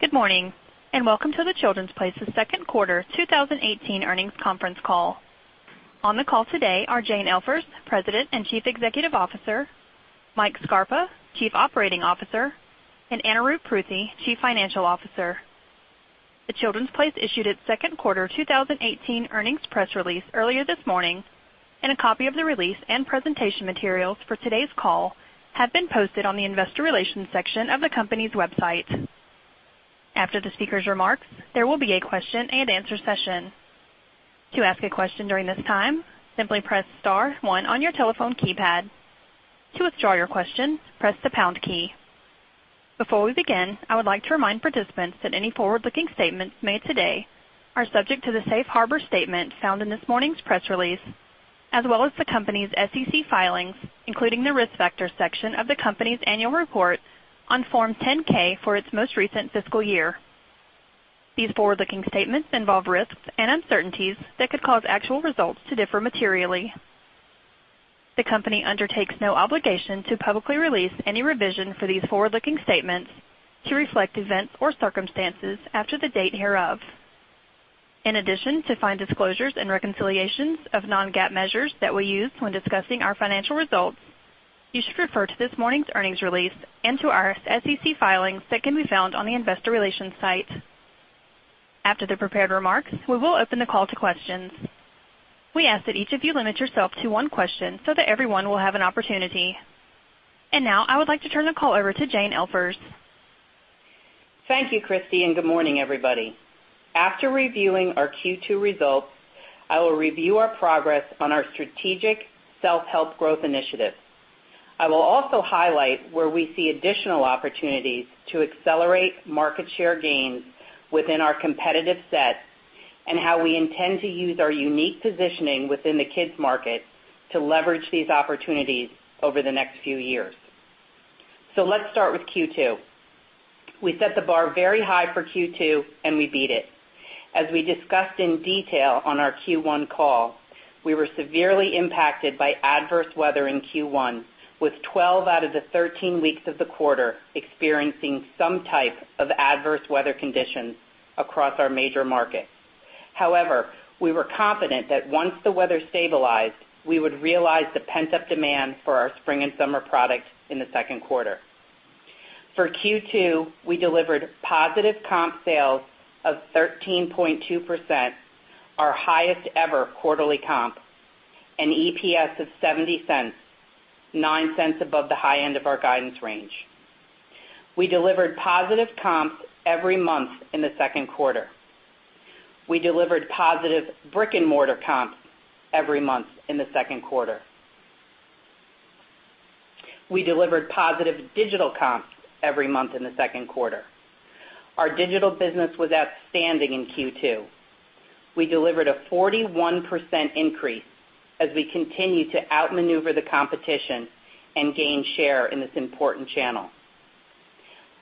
Good morning, and welcome to The Children’s Place’s second quarter 2018 earnings conference call. On the call today are Jane Elfers, President and Chief Executive Officer, Mike Scarpa, Chief Operating Officer, and Anurup Pruthi, Chief Financial Officer. The Children’s Place issued its second quarter 2018 earnings press release earlier this morning, and a copy of the release and presentation materials for today’s call have been posted on the investor relations section of the company’s website. After the speaker’s remarks, there will be a question and answer session. To ask a question during this time, simply press star one on your telephone keypad. To withdraw your question, press the pound key. Before we begin, I would like to remind participants that any forward-looking statements made today are subject to the safe harbor statement found in this morning’s press release, as well as the company’s SEC filings, including the Risk Factors section of the company’s annual report on Form 10-K for its most recent fiscal year. These forward-looking statements involve risks and uncertainties that could cause actual results to differ materially. The company undertakes no obligation to publicly release any revision for these forward-looking statements to reflect events or circumstances after the date hereof. In addition to find disclosures and reconciliations of non-GAAP measures that we use when discussing our financial results, you should refer to this morning’s earnings release and to our SEC filings that can be found on the investor relations site. After the prepared remarks, we will open the call to questions. We ask that each of you limit yourself to one question so that everyone will have an opportunity. Now I would like to turn the call over to Jane Elfers. Thank you, Christy, and good morning, everybody. After reviewing our Q2 results, I will review our progress on our strategic self-help growth initiatives. I will also highlight where we see additional opportunities to accelerate market share gains within our competitive set and how we intend to use our unique positioning within the kids market to leverage these opportunities over the next few years. Let’s start with Q2. We set the bar very high for Q2, and we beat it. As we discussed in detail on our Q1 call, we were severely impacted by adverse weather in Q1, with 12 out of the 13 weeks of the quarter experiencing some type of adverse weather conditions across our major markets. However, we were confident that once the weather stabilized, we would realize the pent-up demand for our spring and summer products in the second quarter. For Q2, we delivered positive comp sales of 13.2%, our highest ever quarterly comp, and EPS of $0.70, $0.09 above the high end of our guidance range. We delivered positive comps every month in the second quarter. We delivered positive brick-and-mortar comps every month in the second quarter. We delivered positive digital comps every month in the second quarter. Our digital business was outstanding in Q2. We delivered a 41% increase as we continue to outmaneuver the competition and gain share in this important channel.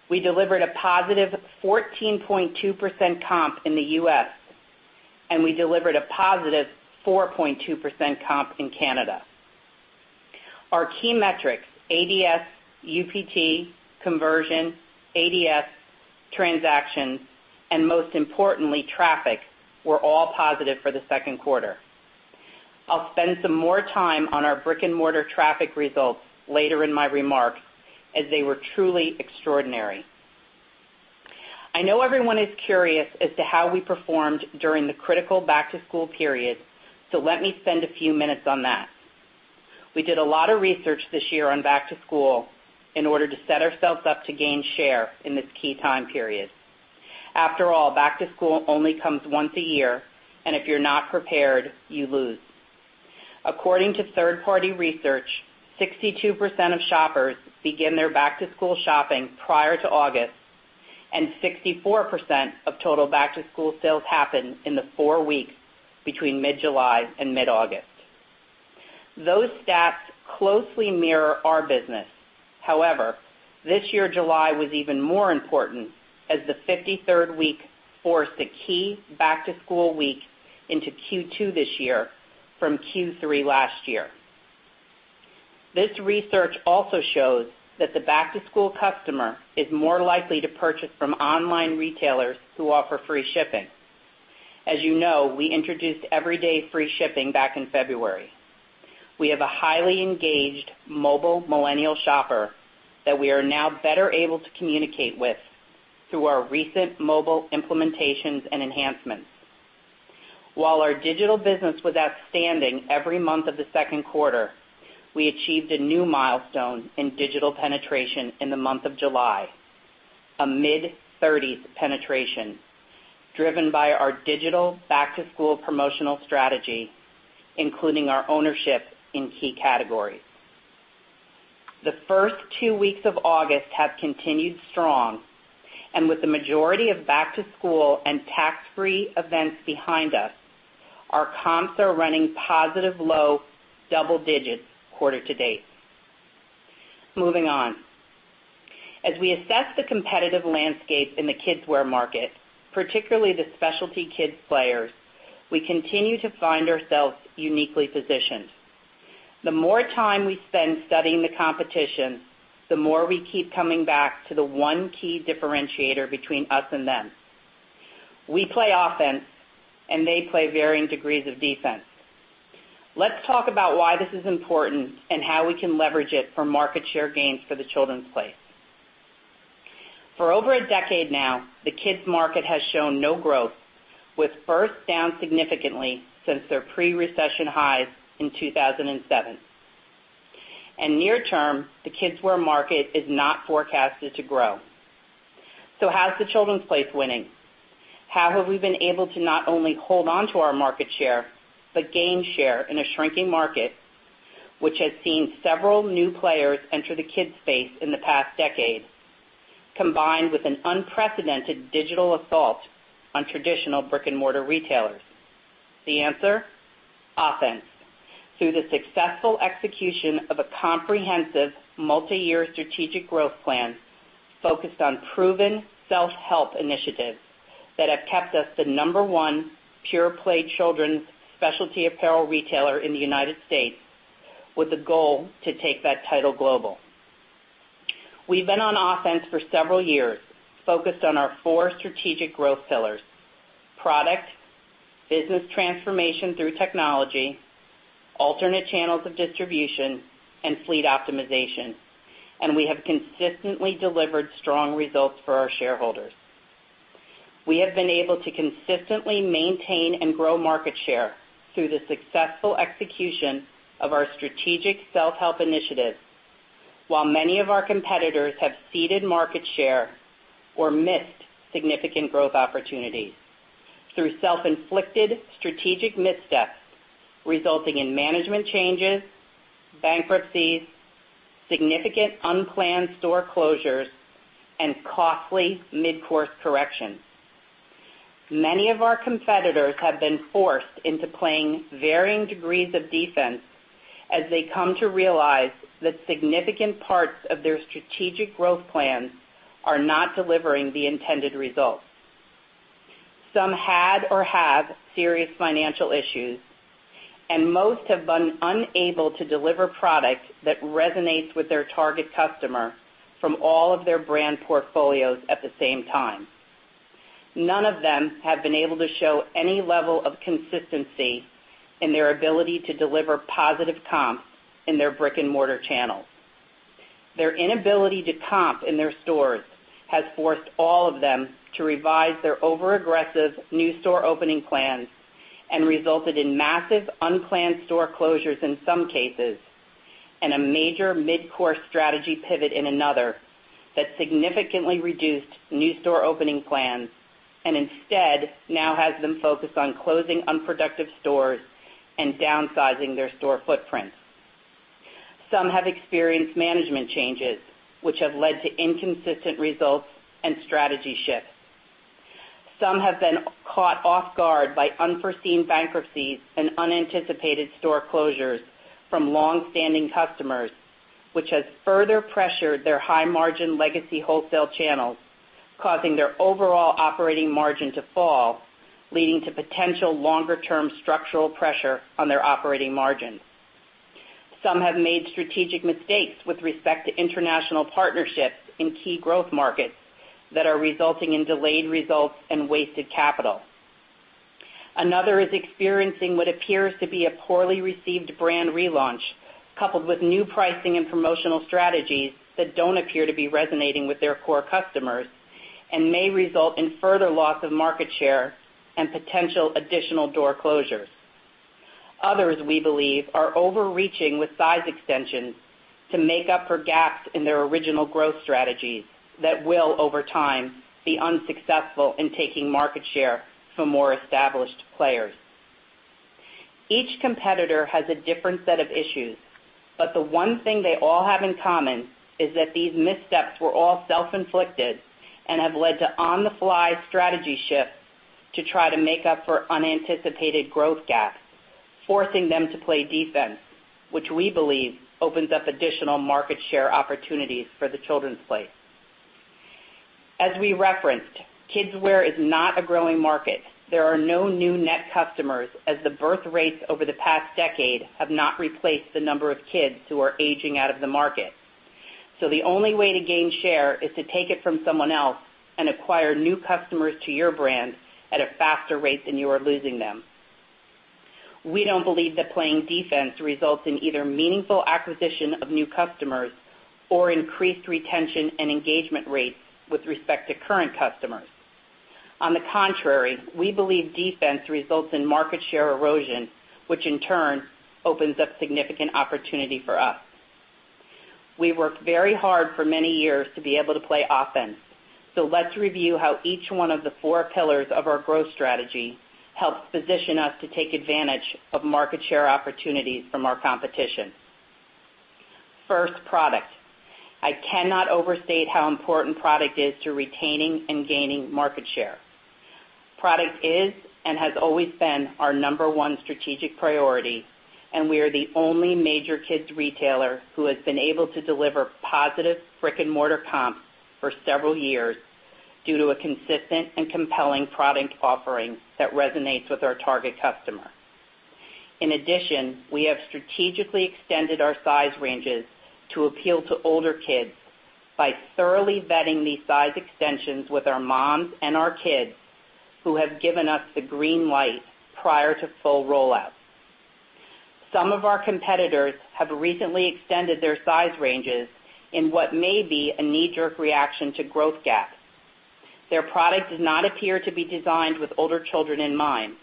We delivered a positive 14.2% comp in the U.S., and we delivered a positive 4.2% comp in Canada. Our key metrics, ADS, UPT, conversion, ADS, transactions, and most importantly, traffic, were all positive for the second quarter. I’ll spend some more time on our brick-and-mortar traffic results later in my remarks, as they were truly extraordinary. I know everyone is curious as to how we performed during the critical back-to-school period, so let me spend a few minutes on that. We did a lot of research this year on back to school in order to set ourselves up to gain share in this key time period. After all, back to school only comes once a year, and if you’re not prepared, you lose. According to third-party research, 62% of shoppers begin their back-to-school shopping prior to August, and 64% of total back-to-school sales happen in the four weeks between mid-July and mid-August. Those stats closely mirror our business. However, this year, July was even more important, as the 53rd week forced a key back-to-school week into Q2 this year from Q3 last year. This research also shows that the back-to-school customer is more likely to purchase from online retailers who offer free shipping. As you know, we introduced everyday free shipping back in February. We have a highly engaged mobile millennial shopper that we are now better able to communicate with through our recent mobile implementations and enhancements. While our digital business was outstanding every month of the second quarter, we achieved a new milestone in digital penetration in the month of July, a mid-30s penetration, driven by our digital back-to-school promotional strategy, including our ownership in key categories. The first two weeks of August have continued strong, and with the majority of back-to-school and tax-free events behind us, our comps are running positive low double digits quarter to date. Moving on. As we assess the competitive landscape in the kidswear market, particularly the specialty kids players, we continue to find ourselves uniquely positioned. The more time we spend studying the competition, the more we keep coming back to the one key differentiator between us and them. We play offense, and they play varying degrees of defense. Let's talk about why this is important and how we can leverage it for market share gains for The Children’s Place. For over a decade now, the kids market has shown no growth, with births down significantly since their pre-recession highs in 2007. Near term, the kids' wear market is not forecasted to grow. So how is The Children’s Place winning? How have we been able to not only hold onto our market share, but gain share in a shrinking market, which has seen several new players enter the kids space in the past decade, combined with an unprecedented digital assault on traditional brick-and-mortar retailers? The answer, offense, through the successful execution of a comprehensive multi-year strategic growth plan focused on proven self-help initiatives that have kept us the number one pure-play children's specialty apparel retailer in the U.S., with a goal to take that title global. We’ve been on offense for several years, focused on our four strategic growth pillars: product, business transformation through technology, alternate channels of distribution, and fleet optimization, and we have consistently delivered strong results for our shareholders. We have been able to consistently maintain and grow market share through the successful execution of our strategic self-help initiatives, while many of our competitors have ceded market share or missed significant growth opportunities through self-inflicted strategic missteps, resulting in management changes, bankruptcies, significant unplanned store closures, and costly mid-course corrections. Many of our competitors have been forced into playing varying degrees of defense as they come to realize that significant parts of their strategic growth plans are not delivering the intended results. Some had or have serious financial issues, and most have been unable to deliver product that resonates with their target customer from all of their brand portfolios at the same time. None of them have been able to show any level of consistency in their ability to deliver positive comps in their brick-and-mortar channels. Their inability to comp in their stores has forced all of them to revise their overaggressive new store opening plans and resulted in massive unplanned store closures in some cases, and a major mid-course strategy pivot in another that significantly reduced new store opening plans, and instead now has them focused on closing unproductive stores and downsizing their store footprints. Some have experienced management changes, which have led to inconsistent results and strategy shifts. Some have been caught off guard by unforeseen bankruptcies and unanticipated store closures from longstanding customers, which has further pressured their high-margin legacy wholesale channels, causing their overall operating margin to fall, leading to potential longer-term structural pressure on their operating margins. Some have made strategic mistakes with respect to international partnerships in key growth markets that are resulting in delayed results and wasted capital. Another is experiencing what appears to be a poorly received brand relaunch, coupled with new pricing and promotional strategies that don’t appear to be resonating with their core customers and may result in further loss of market share and potential additional door closures. Others, we believe, are overreaching with size extensions to make up for gaps in their original growth strategies that will, over time, be unsuccessful in taking market share from more established players. Each competitor has a different set of issues, but the one thing they all have in common is that these missteps were all self-inflicted and have led to on-the-fly strategy shifts to try to make up for unanticipated growth gaps, forcing them to play defense, which we believe opens up additional market share opportunities for The Children’s Place. As we referenced, kids' wear is not a growing market. There are no new net customers, as the birth rates over the past decade have not replaced the number of kids who are aging out of the market. The only way to gain share is to take it from someone else and acquire new customers to your brand at a faster rate than you are losing them. We don't believe that playing defense results in either meaningful acquisition of new customers or increased retention and engagement rates with respect to current customers. On the contrary, we believe defense results in market share erosion, which in turn opens up significant opportunity for us. We worked very hard for many years to be able to play offense, so let's review how each one of the four pillars of our growth strategy helps position us to take advantage of market share opportunities from our competition. First, product. I cannot overstate how important product is to retaining and gaining market share. Product is and has always been our number one strategic priority, and we are the only major kids' retailer who has been able to deliver positive brick-and-mortar comps for several years due to a consistent and compelling product offering that resonates with our target customer. In addition, we have strategically extended our size ranges to appeal to older kids by thoroughly vetting these size extensions with our moms and our kids, who have given us the green light prior to full rollout. Some of our competitors have recently extended their size ranges in what may be a knee-jerk reaction to growth gaps. Their product does not appear to be designed with older children in mind.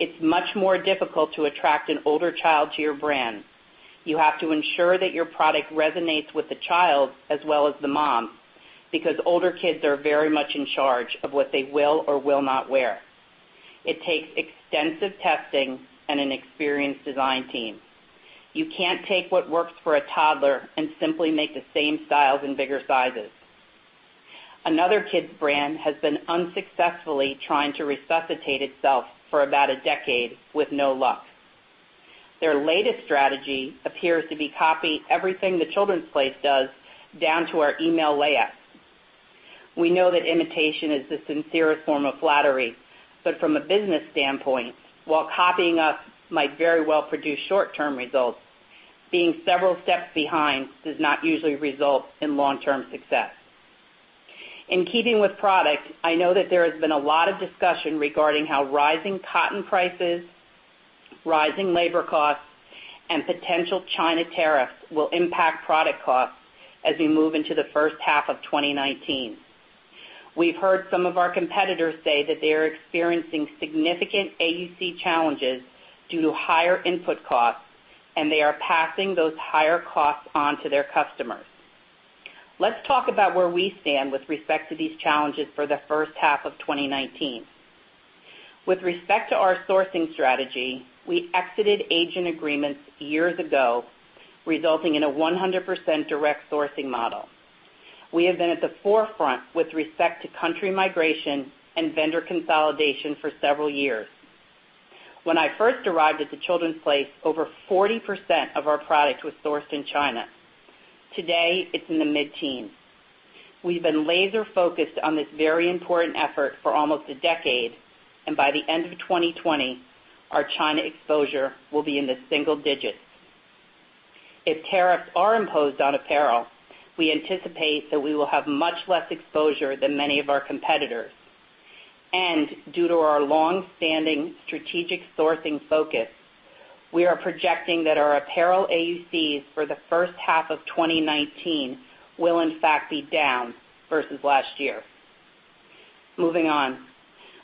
It's much more difficult to attract an older child to your brand. You have to ensure that your product resonates with the child as well as the mom, because older kids are very much in charge of what they will or will not wear. It takes extensive testing and an experienced design team. You can't take what works for a toddler and simply make the same styles in bigger sizes. Another kids brand has been unsuccessfully trying to resuscitate itself for about a decade with no luck. Their latest strategy appears to be copy everything The Children's Place does, down to our email layout. We know that imitation is the sincerest form of flattery, but from a business standpoint, while copying us might very well produce short-term results, being several steps behind does not usually result in long-term success. In keeping with product, I know that there has been a lot of discussion regarding how rising cotton prices, rising labor costs, and potential China tariffs will impact product costs as we move into the first half of 2019. We've heard some of our competitors say that they are experiencing significant AUC challenges due to higher input costs, and they are passing those higher costs on to their customers. Let's talk about where we stand with respect to these challenges for the first half of 2019. With respect to our sourcing strategy, we exited agent agreements years ago, resulting in a 100% direct sourcing model. We have been at the forefront with respect to country migration and vendor consolidation for several years. When I first arrived at The Children's Place, over 40% of our product was sourced in China. Today, it's in the mid-teens. We've been laser-focused on this very important effort for almost a decade. By the end of 2020, our China exposure will be in the single digits. If tariffs are imposed on apparel, we anticipate that we will have much less exposure than many of our competitors. Due to our long-standing strategic sourcing focus, we are projecting that our apparel AUCs for the first half of 2019 will in fact be down versus last year. Moving on.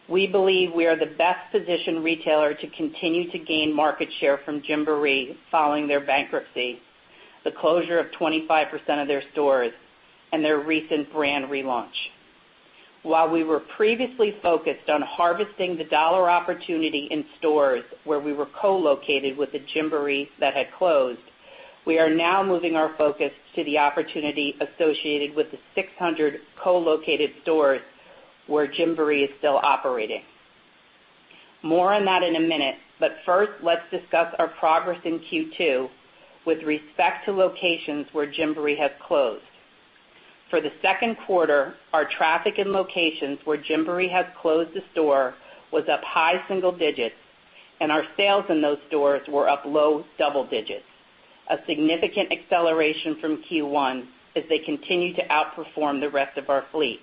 We believe we are the best-positioned retailer to continue to gain market share from Gymboree following their bankruptcy, the closure of 25% of their stores, and their recent brand relaunch. While we were previously focused on harvesting the dollar opportunity in stores where we were co-located with the Gymboree that had closed, we are now moving our focus to the opportunity associated with the 600 co-located stores where Gymboree is still operating. More on that in a minute. First, let's discuss our progress in Q2 with respect to locations where Gymboree has closed. For the second quarter, our traffic in locations where Gymboree has closed the store was up high single digits, and our sales in those stores were up low double digits. A significant acceleration from Q1 as they continue to outperform the rest of our fleet.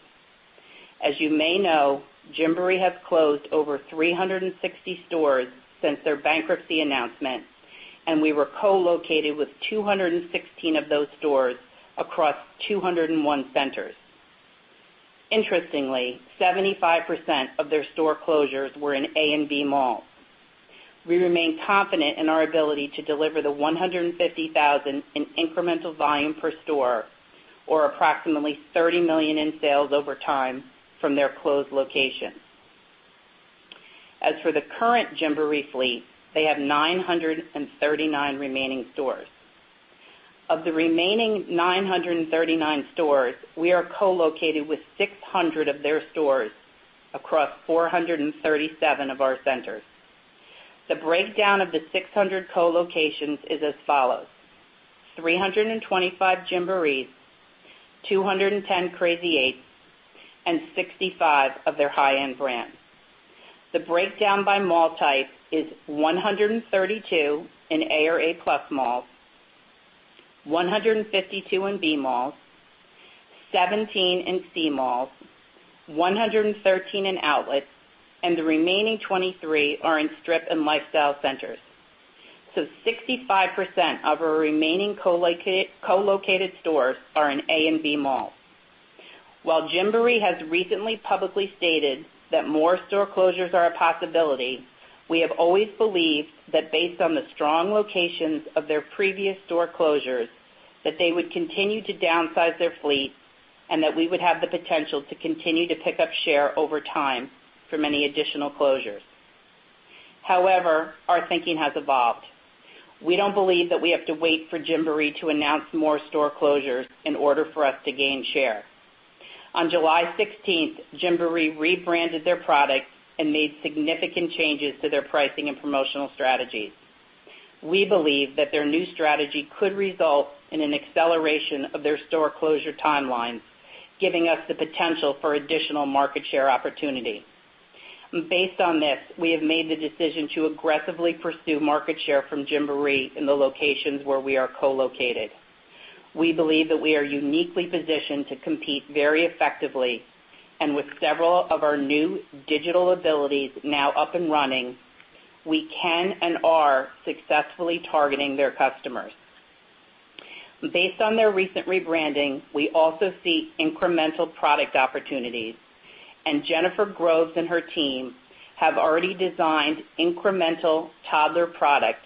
As you may know, Gymboree has closed over 360 stores since their bankruptcy announcement, and we were co-located with 216 of those stores across 201 centers. Interestingly, 75% of their store closures were in A and B malls. We remain confident in our ability to deliver the 150,000 in incremental volume per store, or approximately $30 million in sales over time from their closed locations. As for the current Gymboree fleet, they have 939 remaining stores. Of the remaining 939 stores, we are co-located with 600 of their stores across 437 of our centers. The breakdown of the 600 co-locations is as follows: 325 Gymborees, 210 Crazy 8s, and 65 of their high-end brands. The breakdown by mall type is 132 in A or A plus malls, 152 in B malls, 17 in C malls, 113 in outlets, and the remaining 23 are in strip and lifestyle centers. 65% of our remaining co-located stores are in A and B malls. While Gymboree has recently publicly stated that more store closures are a possibility, we have always believed that based on the strong locations of their previous store closures, that they would continue to downsize their fleet and that we would have the potential to continue to pick up share over time from any additional closures. However, our thinking has evolved. We don't believe that we have to wait for Gymboree to announce more store closures in order for us to gain share. On July 16th, Gymboree rebranded their product and made significant changes to their pricing and promotional strategies. We believe that their new strategy could result in an acceleration of their store closure timelines, giving us the potential for additional market share opportunity. Based on this, we have made the decision to aggressively pursue market share from Gymboree in the locations where we are co-located. We believe that we are uniquely positioned to compete very effectively, and with several of our new digital abilities now up and running, we can and are successfully targeting their customers. Based on their recent rebranding, we also see incremental product opportunities. Jennifer Groves and her team have already designed incremental toddler product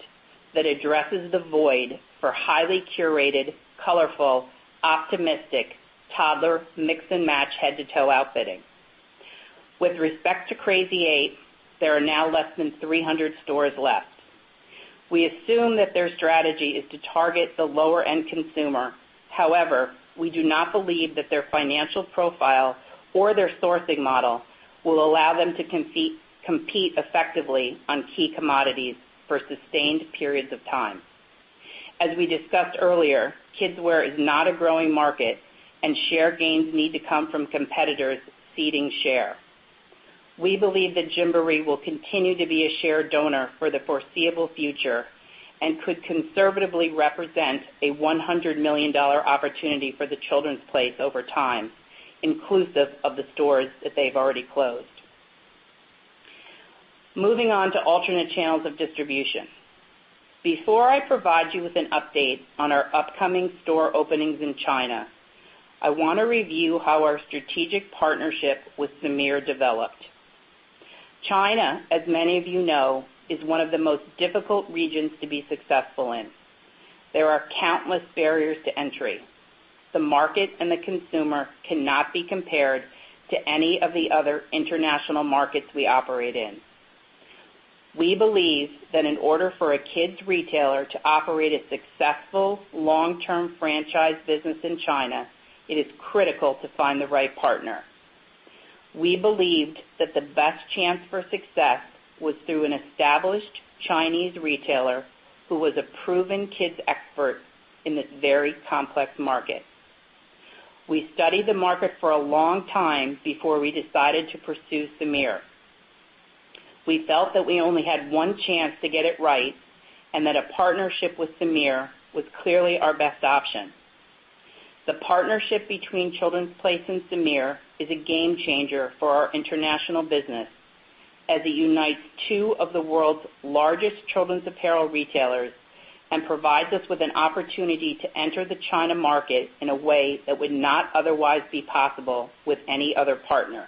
that addresses the void for highly curated, colorful, optimistic toddler mix-and-match head-to-toe outfitting. With respect to Crazy 8, there are now less than 300 stores left. We assume that their strategy is to target the lower-end consumer. We do not believe that their financial profile or their sourcing model will allow them to compete effectively on key commodities for sustained periods of time. As we discussed earlier, kids' wear is not a growing market, and share gains need to come from competitors ceding share. We believe that Gymboree will continue to be a share donor for the foreseeable future and could conservatively represent a $100 million opportunity for The Children’s Place over time, inclusive of the stores that they’ve already closed. Moving on to alternate channels of distribution. Before I provide you with an update on our upcoming store openings in China, I want to review how our strategic partnership with Semir developed. China, as many of you know, is one of the most difficult regions to be successful in. There are countless barriers to entry. The market and the consumer cannot be compared to any of the other international markets we operate in. We believe that in order for a kids retailer to operate a successful long-term franchise business in China, it is critical to find the right partner. We believed that the best chance for success was through an established Chinese retailer who was a proven kids expert in this very complex market. We studied the market for a long time before we decided to pursue Semir. We felt that we only had one chance to get it right. A partnership with Semir was clearly our best option. The partnership between Children’s Place and Semir is a game-changer for our international business, as it unites two of the world’s largest children’s apparel retailers and provides us with an opportunity to enter the China market in a way that would not otherwise be possible with any other partner.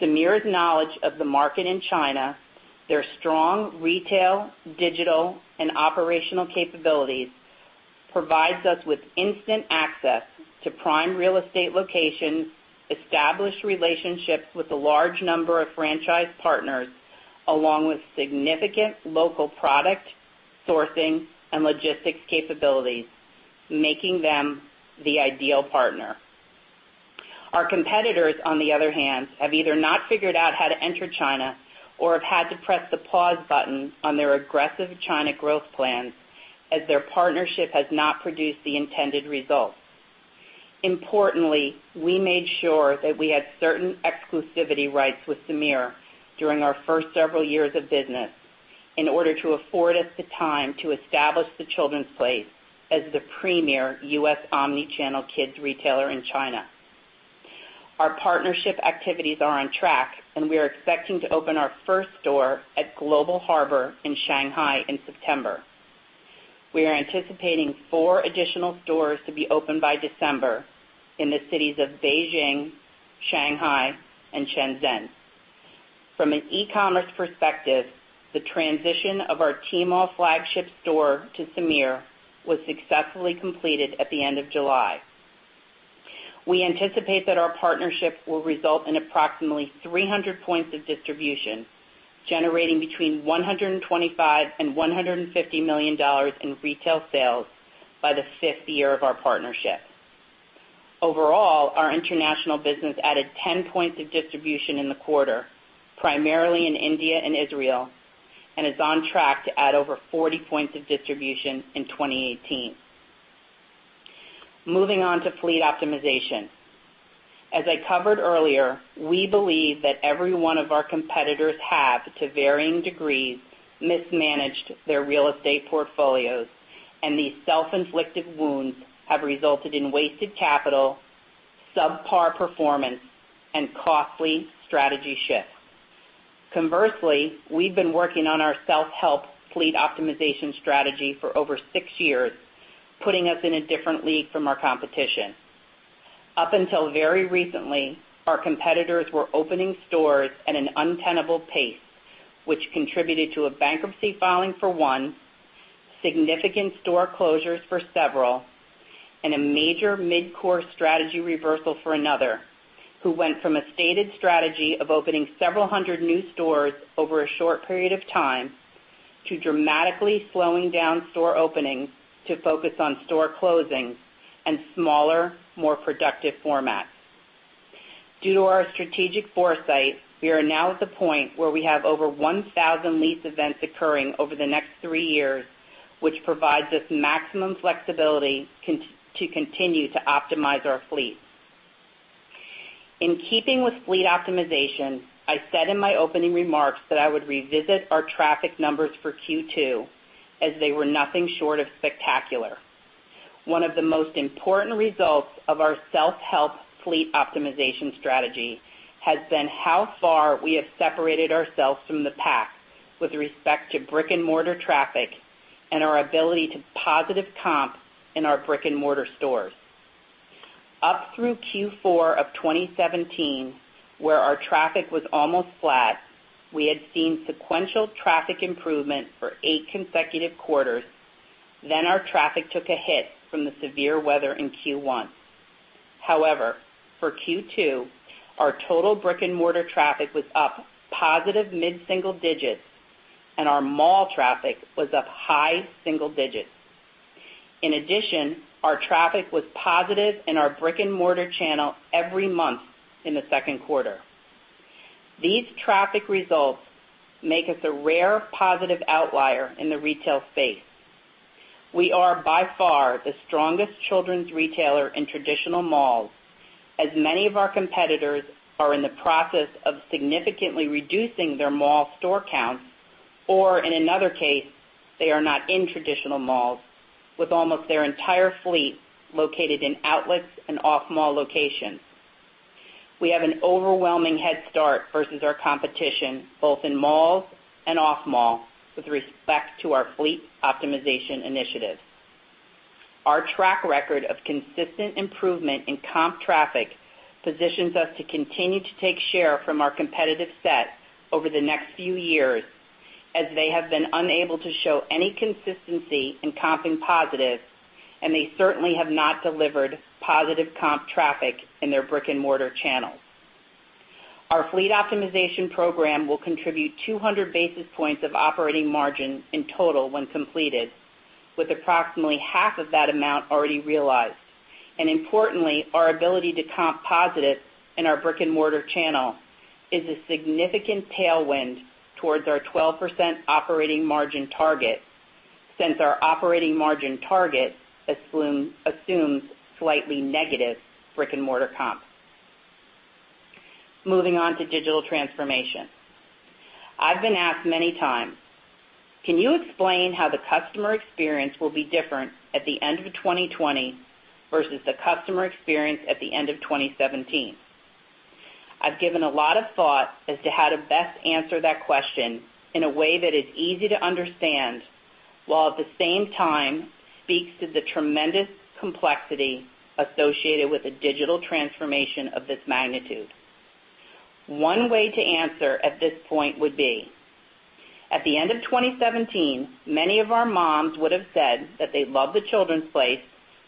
Semir’s knowledge of the market in China, their strong retail, digital, and operational capabilities, provides us with instant access to prime real estate locations, established relationships with a large number of franchise partners, along with significant local product sourcing and logistics capabilities, making them the ideal partner. Our competitors, on the other hand, have either not figured out how to enter China or have had to press the pause button on their aggressive China growth plans as their partnership has not produced the intended results. Importantly, we made sure that we had certain exclusivity rights with Semir during our first several years of business in order to afford us the time to establish The Children’s Place as the premier U.S. omni-channel kids retailer in China. Our partnership activities are on track. We are expecting to open our first store at Global Harbor in Shanghai in September. We are anticipating four additional stores to be opened by December in the cities of Beijing, Shanghai, and Shenzhen. From an e-commerce perspective, the transition of our Tmall flagship store to Semir was successfully completed at the end of July. We anticipate that our partnership will result in approximately 300 points of distribution, generating between $125 million and $150 million in retail sales by the fifth year of our partnership. Overall, our international business added 10 points of distribution in the quarter, primarily in India and Israel, and is on track to add over 40 points of distribution in 2018. Moving on to fleet optimization. As I covered earlier, we believe that every one of our competitors have, to varying degrees, mismanaged their real estate portfolios, and these self-inflicted wounds have resulted in wasted capital, subpar performance, and costly strategy shifts. Conversely, we’ve been working on our self-help fleet optimization strategy for over six years, putting us in a different league from our competition. Up until very recently, our competitors were opening stores at an untenable pace, which contributed to a bankruptcy filing for one, significant store closures for several, and a major mid-course strategy reversal for another, who went from a stated strategy of opening several hundred new stores over a short period of time to dramatically slowing down store openings to focus on store closings and smaller, more productive formats. Due to our strategic foresight, we are now at the point where we have over 1,000 lease events occurring over the next three years, which provides us maximum flexibility to continue to optimize our fleet. In keeping with fleet optimization, I said in my opening remarks that I would revisit our traffic numbers for Q2, as they were nothing short of spectacular. One of the most important results of our self-help fleet optimization strategy has been how far we have separated ourselves from the pack with respect to brick-and-mortar traffic and our ability to positive comp in our brick-and-mortar stores. Up through Q4 of 2017, where our traffic was almost flat, we had seen sequential traffic improvement for eight consecutive quarters. Our traffic took a hit from the severe weather in Q1. For Q2, our total brick-and-mortar traffic was up positive mid-single digits, and our mall traffic was up high single digits. In addition, our traffic was positive in our brick-and-mortar channel every month in the second quarter. These traffic results make us a rare, positive outlier in the retail space. We are by far the strongest children's retailer in traditional malls, as many of our competitors are in the process of significantly reducing their mall store count, or in another case, they are not in traditional malls, with almost their entire fleet located in outlets and off-mall locations. We have an overwhelming head start versus our competition both in malls and off-mall with respect to our fleet optimization initiative. Our track record of consistent improvement in comp traffic positions us to continue to take share from our competitive set over the next few years, as they have been unable to show any consistency in comping positive, and they certainly have not delivered positive comp traffic in their brick-and-mortar channels. Our fleet optimization program will contribute 200 basis points of operating margin in total when completed, with approximately half of that amount already realized. Importantly, our ability to comp positive in our brick-and-mortar channel is a significant tailwind towards our 12% operating margin target since our operating margin target assumes slightly negative brick-and-mortar comps. Moving on to digital transformation. I've been asked many times, "Can you explain how the customer experience will be different at the end of 2020 versus the customer experience at the end of 2017?" I've given a lot of thought as to how to best answer that question in a way that is easy to understand, while at the same time speaks to the tremendous complexity associated with a digital transformation of this magnitude. One way to answer at this point would be, at the end of 2017, many of our moms would've said that they love The Children’s Place,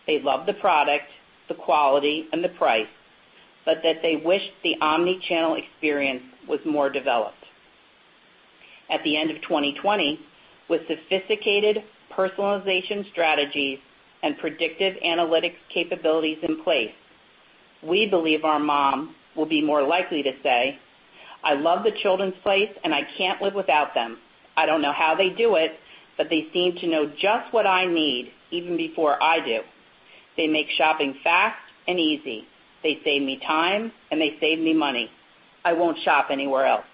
they love the product, the quality, and the price, but that they wished the omnichannel experience was more developed. At the end of 2020, with sophisticated personalization strategies and predictive analytics capabilities in place, we believe our mom will be more likely to say, "I love The Children’s Place, and I can't live without them. I don't know how they do it, but they seem to know just what I need even before I do. They make shopping fast and easy. They save me time, and they save me money. I won't shop anywhere else."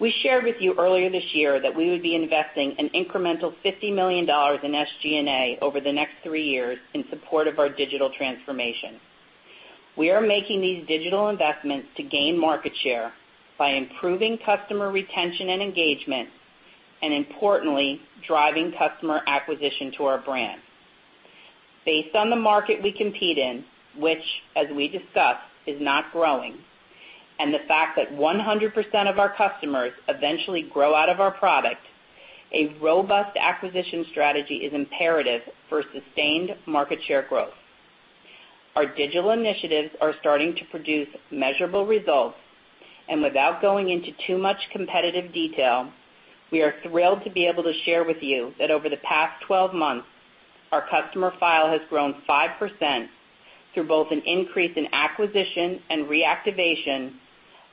We shared with you earlier this year that we would be investing an incremental $50 million in SG&A over the next three years in support of our digital transformation. We are making these digital investments to gain market share by improving customer retention and engagement and importantly, driving customer acquisition to our brand. Based on the market we compete in, which as we discussed, is not growing, and the fact that 100% of our customers eventually grow out of our product, a robust acquisition strategy is imperative for sustained market share growth. Our digital initiatives are starting to produce measurable results, and without going into too much competitive detail, we are thrilled to be able to share with you that over the past 12 months, our customer file has grown 5% through both an increase in acquisition and reactivation,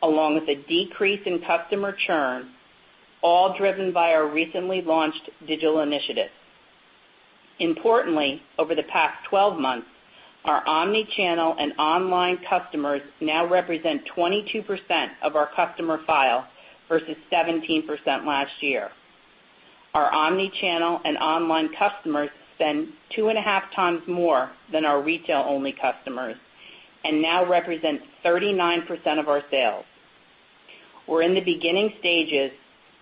along with a decrease in customer churn, all driven by our recently launched digital initiatives. Importantly, over the past 12 months, our omnichannel and online customers now represent 22% of our customer file versus 17% last year. Our omnichannel and online customers spend two and a half times more than our retail-only customers and now represent 39% of our sales. We're in the beginning stages,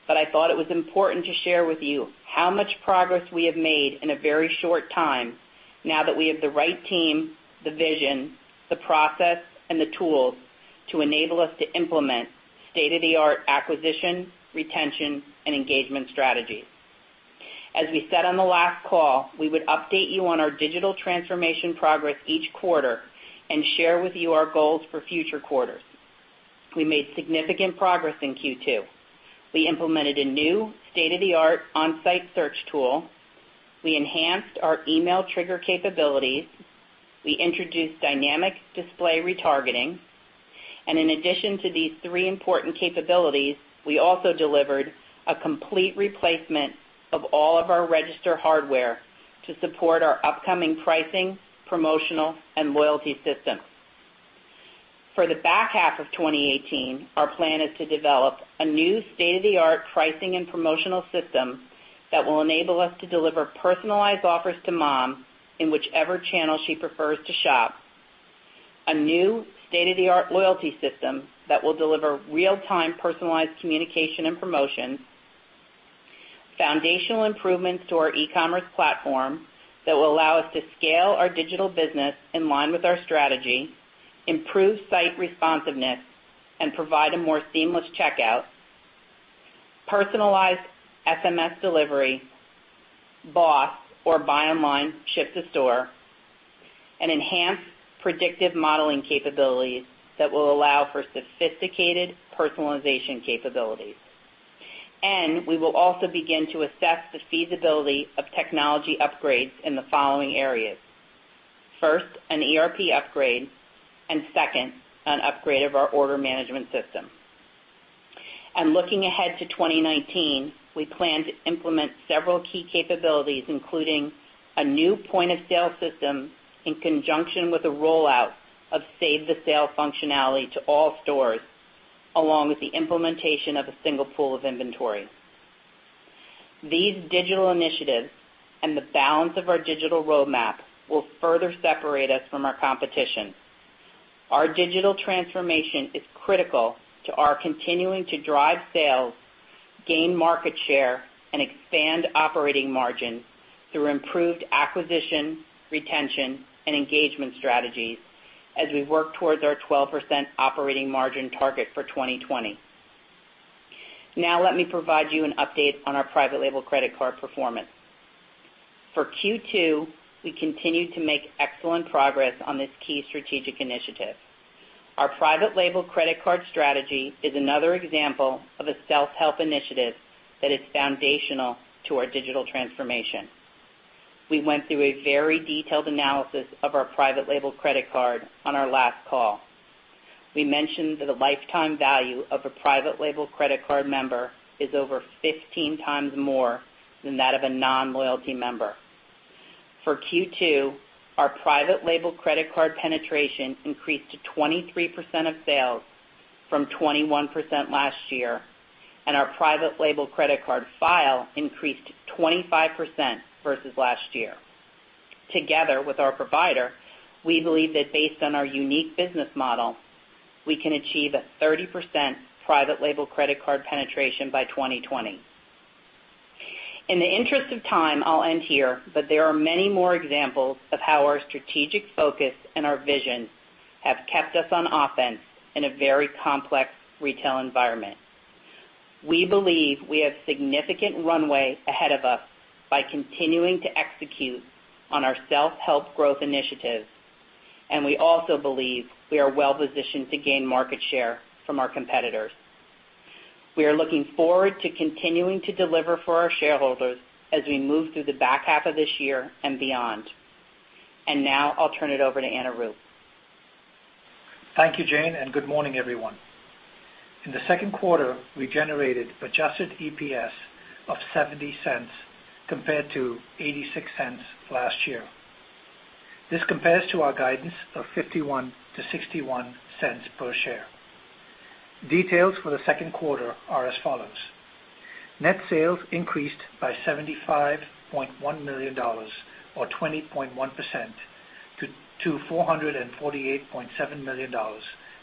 but I thought it was important to share with you how much progress we have made in a very short time now that we have the right team, the vision, the process, and the tools to enable us to implement state-of-the-art acquisition, retention, and engagement strategies. As we said on the last call, we would update you on our digital transformation progress each quarter and share with you our goals for future quarters. We made significant progress in Q2. We implemented a new state-of-the-art on-site search tool. We enhanced our email trigger capabilities. We introduced dynamic display retargeting. In addition to these three important capabilities, we also delivered a complete replacement of all of our register hardware to support our upcoming pricing, promotional, and loyalty systems. For the back half of 2018, our plan is to develop a new state-of-the-art pricing and promotional system that will enable us to deliver personalized offers to mom in whichever channel she prefers to shop, a new state-of-the-art loyalty system that will deliver real-time personalized communication and promotion, foundational improvements to our e-commerce platform that will allow us to scale our digital business in line with our strategy, improve site responsiveness, and provide a more seamless checkout, personalized SMS delivery, BOSS or Buy Online Ship to Store, and enhanced predictive modeling capabilities that will allow for sophisticated personalization capabilities. We will also begin to assess the feasibility of technology upgrades in the following areas. First, an ERP upgrade, and second, an upgrade of our order management system. Looking ahead to 2019, we plan to implement several key capabilities, including a new point-of-sale system in conjunction with the rollout of save-the-sale functionality to all stores, along with the implementation of a single pool of inventory. These digital initiatives and the balance of our digital roadmap will further separate us from our competition. Our digital transformation is critical to our continuing to drive sales, gain market share, and expand operating margin through improved acquisition, retention, and engagement strategies as we work towards our 12% operating margin target for 2020. Now let me provide you an update on our private label credit card performance. For Q2, we continued to make excellent progress on this key strategic initiative. Our private label credit card strategy is another example of a self-help initiative that is foundational to our digital transformation. We went through a very detailed analysis of our private label credit card on our last call. We mentioned that the lifetime value of a private label credit card member is over 15 times more than that of a non-loyalty member. For Q2, our private label credit card penetration increased to 23% of sales from 21% last year, and our private label credit card file increased 25% versus last year. Together with our provider, we believe that based on our unique business model, we can achieve a 30% private label credit card penetration by 2020. In the interest of time, I'll end here. There are many more examples of how our strategic focus and our vision have kept us on offense in a very complex retail environment. We believe we have significant runway ahead of us by continuing to execute on our self-help growth initiatives, and we also believe we are well-positioned to gain market share from our competitors. We are looking forward to continuing to deliver for our shareholders as we move through the back half of this year and beyond. Now I'll turn it over to Anurup. Thank you, Jane, and good morning, everyone. In the second quarter, we generated adjusted EPS of $0.70 compared to $0.86 last year. This compares to our guidance of $0.51 to $0.61 per share. Details for the second quarter are as follows. Net sales increased by $75.1 million or 20.1% to $448.7 million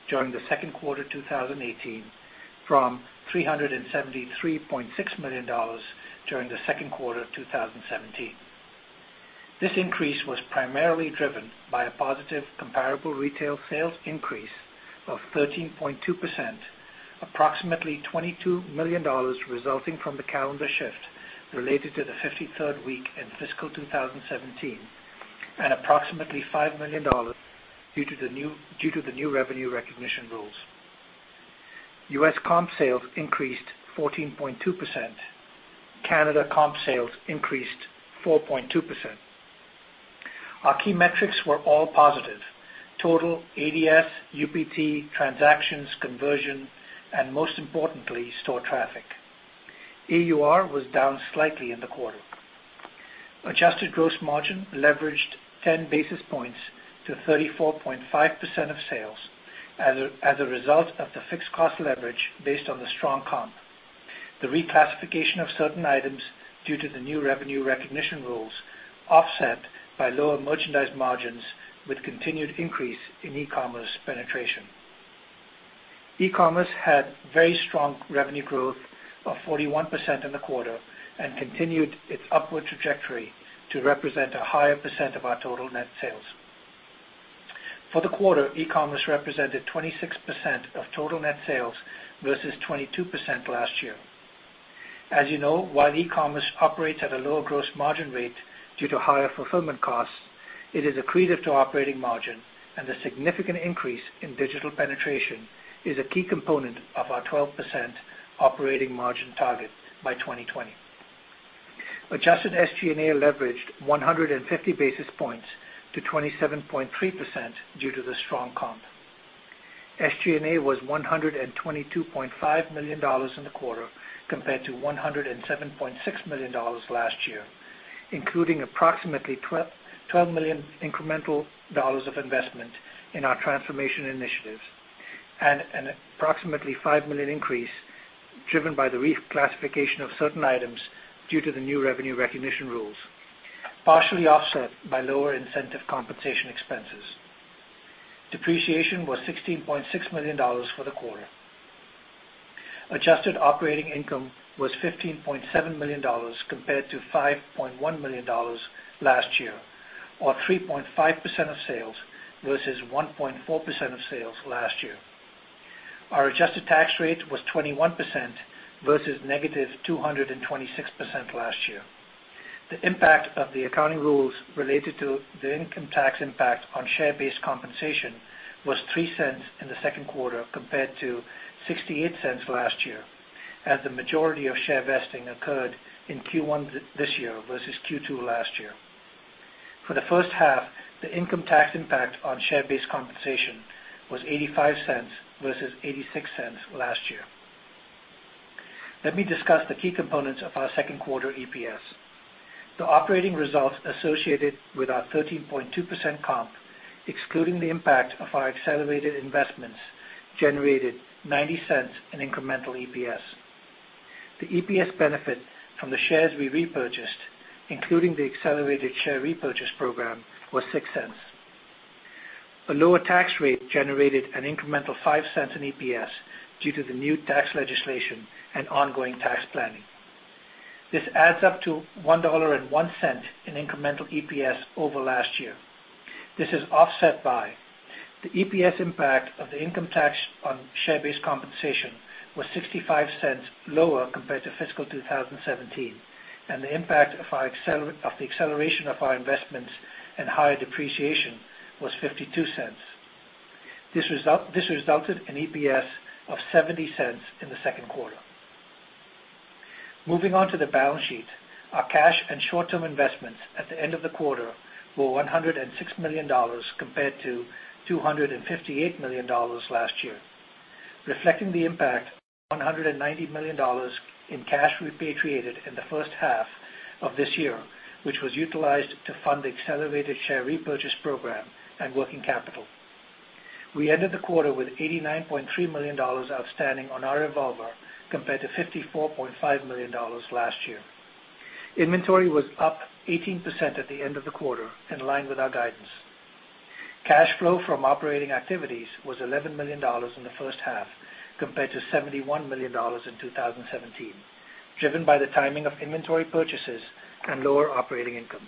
during the second quarter 2018 from $373.6 million during the second quarter of 2017. This increase was primarily driven by a positive comparable retail sales increase of 13.2%, approximately $22 million resulting from the calendar shift related to the 53rd week in fiscal 2017, and approximately $5 million due to the new revenue recognition rules. U.S. comp sales increased 14.2%. Canada comp sales increased 4.2%. Our key metrics were all positive. Total ADS, UPT, transactions, conversion, and most importantly, store traffic. AUR was down slightly in the quarter. Adjusted gross margin leveraged 10 basis points to 34.5% of sales as a result of the fixed cost leverage based on the strong comp. The reclassification of certain items due to the new revenue recognition rules offset by lower merchandise margins with continued increase in e-commerce penetration. E-commerce had very strong revenue growth of 41% in the quarter and continued its upward trajectory to represent a higher percent of our total net sales. For the quarter, e-commerce represented 26% of total net sales versus 22% last year. As you know, while e-commerce operates at a lower gross margin rate due to higher fulfillment costs, it is accretive to operating margin, and the significant increase in digital penetration is a key component of our 12% operating margin target by 2020. Adjusted SG&A leveraged 150 basis points to 27.3% due to the strong comp. SG&A was $122.5 million in the quarter compared to $107.6 million last year, including approximately $12 million incremental of investment in our transformation initiatives and an approximately $5 million increase driven by the reclassification of certain items due to the new revenue recognition rules, partially offset by lower incentive compensation expenses. Depreciation was $16.6 million for the quarter. Adjusted operating income was $15.7 million compared to $5.1 million last year, or 3.5% of sales versus 1.4% of sales last year. Our adjusted tax rate was 21% versus negative 226% last year. The impact of the accounting rules related to the income tax impact on share-based compensation was $0.03 in the second quarter compared to $0.68 last year, as the majority of share vesting occurred in Q1 this year versus Q2 last year. For the first half, the income tax impact on share-based compensation was $0.85 versus $0.86 last year. Let me discuss the key components of our second quarter EPS. The operating results associated with our 13.2% comp, excluding the impact of our accelerated investments, generated $0.90 in incremental EPS. The EPS benefit from the shares we repurchased, including the accelerated share repurchase program, was $0.06. A lower tax rate generated an incremental $0.05 in EPS due to the new tax legislation and ongoing tax planning. This adds up to $1.01 in incremental EPS over last year. This is offset by the EPS impact of the income tax on share-based compensation was $0.65 lower compared to fiscal 2017, and the impact of the acceleration of our investments and higher depreciation was $0.52. This resulted in EPS of $0.70 in the second quarter. Moving on to the balance sheet. Our cash and short-term investments at the end of the quarter were $106 million compared to $258 million last year, reflecting the impact of $190 million in cash repatriated in the first half of this year, which was utilized to fund the accelerated share repurchase program and working capital. We ended the quarter with $89.3 million outstanding on our revolver compared to $54.5 million last year. Inventory was up 18% at the end of the quarter, in line with our guidance. Cash flow from operating activities was $11 million in the first half compared to $71 million in 2017, driven by the timing of inventory purchases and lower operating income.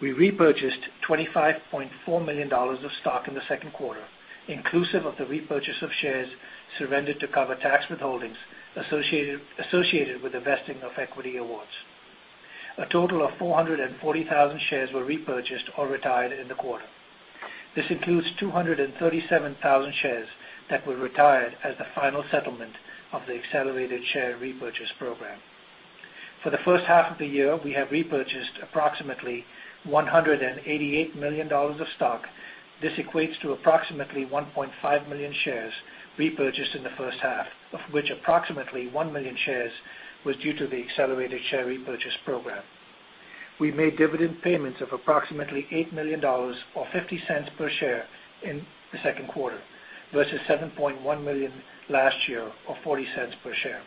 We repurchased $25.4 million of stock in the second quarter, inclusive of the repurchase of shares surrendered to cover tax withholdings associated with the vesting of equity awards. A total of 440,000 shares were repurchased or retired in the quarter. This includes 237,000 shares that were retired as the final settlement of the accelerated share repurchase program. For the first half of the year, we have repurchased approximately $188 million of stock. This equates to approximately 1.5 million shares repurchased in the first half, of which approximately one million shares was due to the accelerated share repurchase program. We made dividend payments of approximately $8 million, or $0.50 per share in the second quarter, versus $7.1 million last year, or $0.40 per share.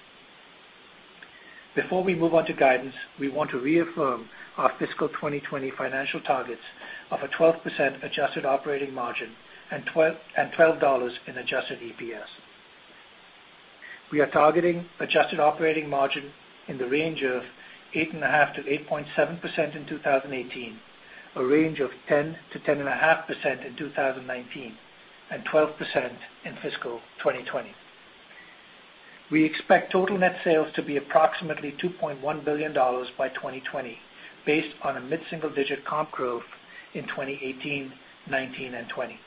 Before we move on to guidance, we want to reaffirm our fiscal 2020 financial targets of a 12% adjusted operating margin and $12 in adjusted EPS. We are targeting adjusted operating margin in the range of 8.5%-8.7% in 2018, a range of 10%-10.5% in 2019, and 12% in fiscal 2020. We expect total net sales to be approximately $2.1 billion by 2020, based on a mid-single digit comp growth in 2018, 2019, and 2020,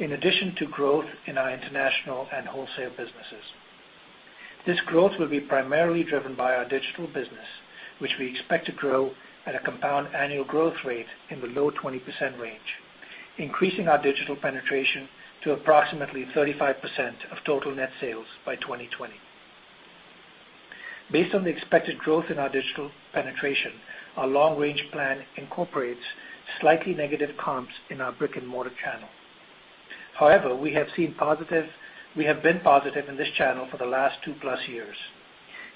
in addition to growth in our international and wholesale businesses. This growth will be primarily driven by our digital business, which we expect to grow at a compound annual growth rate in the low 20% range, increasing our digital penetration to approximately 35% of total net sales by 2020. Based on the expected growth in our digital penetration, our long-range plan incorporates slightly negative comps in our brick-and-mortar channel. However, we have been positive in this channel for the last two-plus years.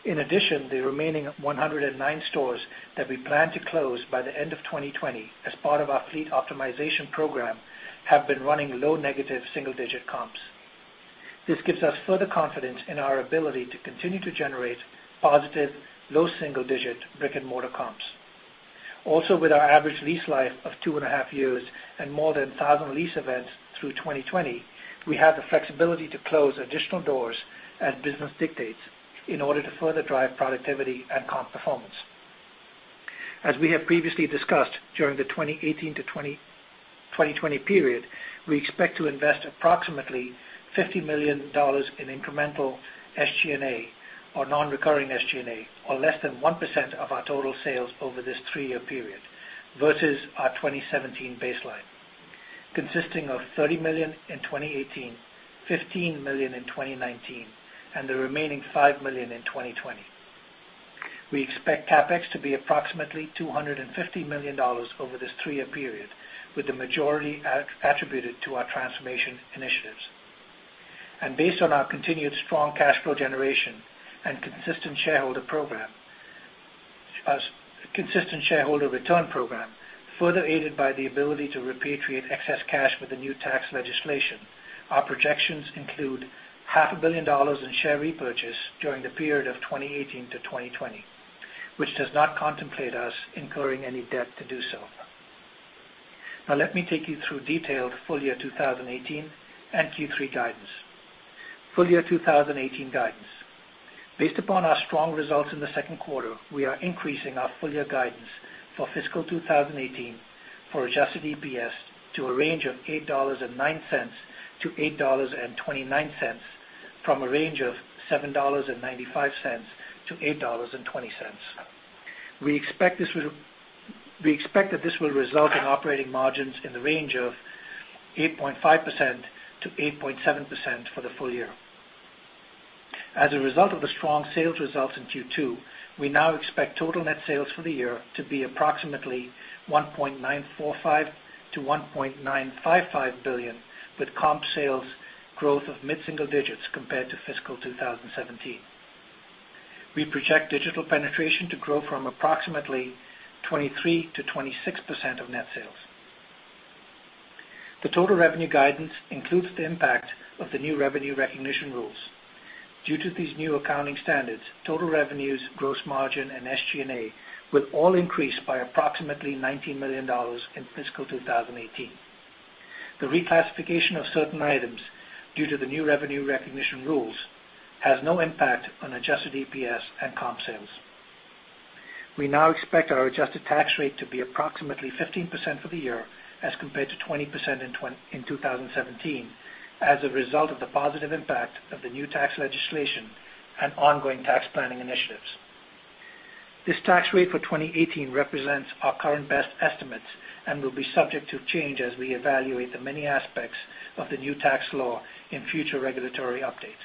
In addition, the remaining 109 stores that we plan to close by the end of 2020 as part of our fleet optimization program have been running low negative single-digit comps. This gives us further confidence in our ability to continue to generate positive low single-digit brick-and-mortar comps. Also with our average lease life of two and a half years and more than 1,000 lease events through 2020, we have the flexibility to close additional doors as business dictates in order to further drive productivity and comp performance. As we have previously discussed, during the 2018-2020 period, we expect to invest approximately $50 million in incremental SG&A or non-recurring SG&A or less than 1% of our total sales over this three-year period versus our 2017 baseline, consisting of $30 million in 2018, $15 million in 2019, and the remaining $5 million in 2020. We expect CapEx to be approximately $250 million over this three-year period, with the majority attributed to our transformation initiatives. Based on our continued strong cash flow generation and consistent shareholder return program, further aided by the ability to repatriate excess cash with the new tax legislation, our projections include half a billion dollars in share repurchase during the period of 2018-2020, which does not contemplate us incurring any debt to do so. Let me take you through detailed full year 2018 and Q3 guidance. Full year 2018 guidance. Based upon our strong results in the second quarter, we are increasing our full year guidance for fiscal 2018 for adjusted EPS to a range of $8.09-$8.29, from a range of $7.95-$8.20. We expect that this will result in operating margins in the range of 8.5%-8.7% for the full year. As a result of the strong sales results in Q2, we now expect total net sales for the year to be approximately $1.945 billion-$1.955 billion, with comp sales growth of mid-single digits compared to fiscal 2017. We project digital penetration to grow from approximately 23%-26% of net sales. The total revenue guidance includes the impact of the new revenue recognition rules. Due to these new accounting standards, total revenues, gross margin, and SG&A will all increase by approximately $90 million in fiscal 2018. The reclassification of certain items due to the new revenue recognition rules has no impact on adjusted EPS and comp sales. We now expect our adjusted tax rate to be approximately 15% for the year as compared to 20% in 2017 as a result of the positive impact of the new tax legislation and ongoing tax planning initiatives. This tax rate for 2018 represents our current best estimates and will be subject to change as we evaluate the many aspects of the new tax law in future regulatory updates.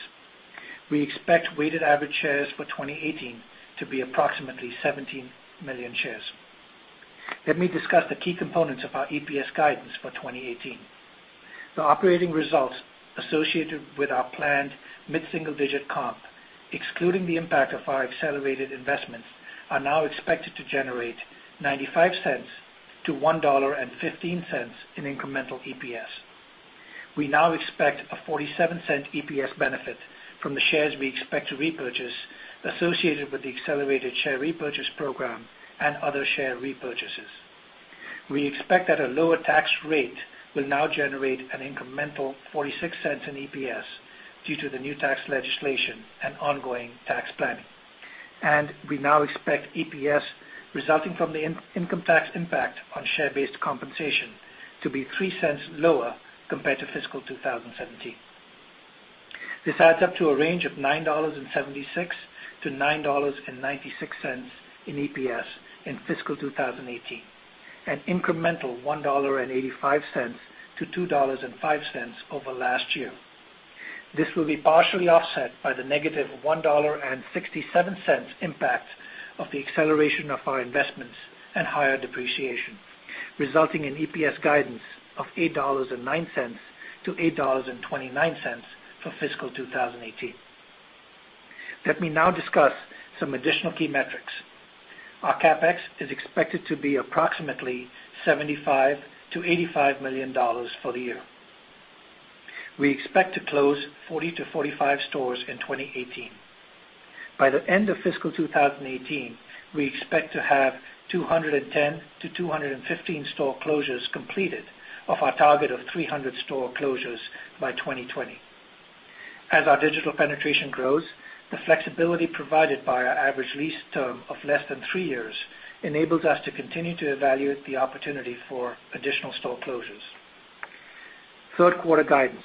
We expect weighted average shares for 2018 to be approximately 17 million shares. Let me discuss the key components of our EPS guidance for 2018. The operating results associated with our planned mid-single-digit comp, excluding the impact of our accelerated investments, are now expected to generate $0.95-$1.15 in incremental EPS. We now expect a $0.47 EPS benefit from the shares we expect to repurchase associated with the accelerated share repurchase program and other share repurchases. We expect that a lower tax rate will now generate an incremental $0.46 in EPS due to the new tax legislation and ongoing tax planning. We now expect EPS resulting from the income tax impact on share-based compensation to be $0.03 lower compared to fiscal 2017. This adds up to a range of $9.76-$9.96 in EPS in fiscal 2018, an incremental $1.85-$2.05 over last year. This will be partially offset by the negative $1.67 impact of the acceleration of our investments and higher depreciation, resulting in EPS guidance of $8.09-$8.29 for fiscal 2018. Let me now discuss some additional key metrics. Our CapEx is expected to be approximately $75 million-$85 million for the year. We expect to close 40-45 stores in 2018. By the end of fiscal 2018, we expect to have 210-215 store closures completed of our target of 300 store closures by 2020. As our digital penetration grows, the flexibility provided by our average lease term of less than three years enables us to continue to evaluate the opportunity for additional store closures. Third quarter guidance.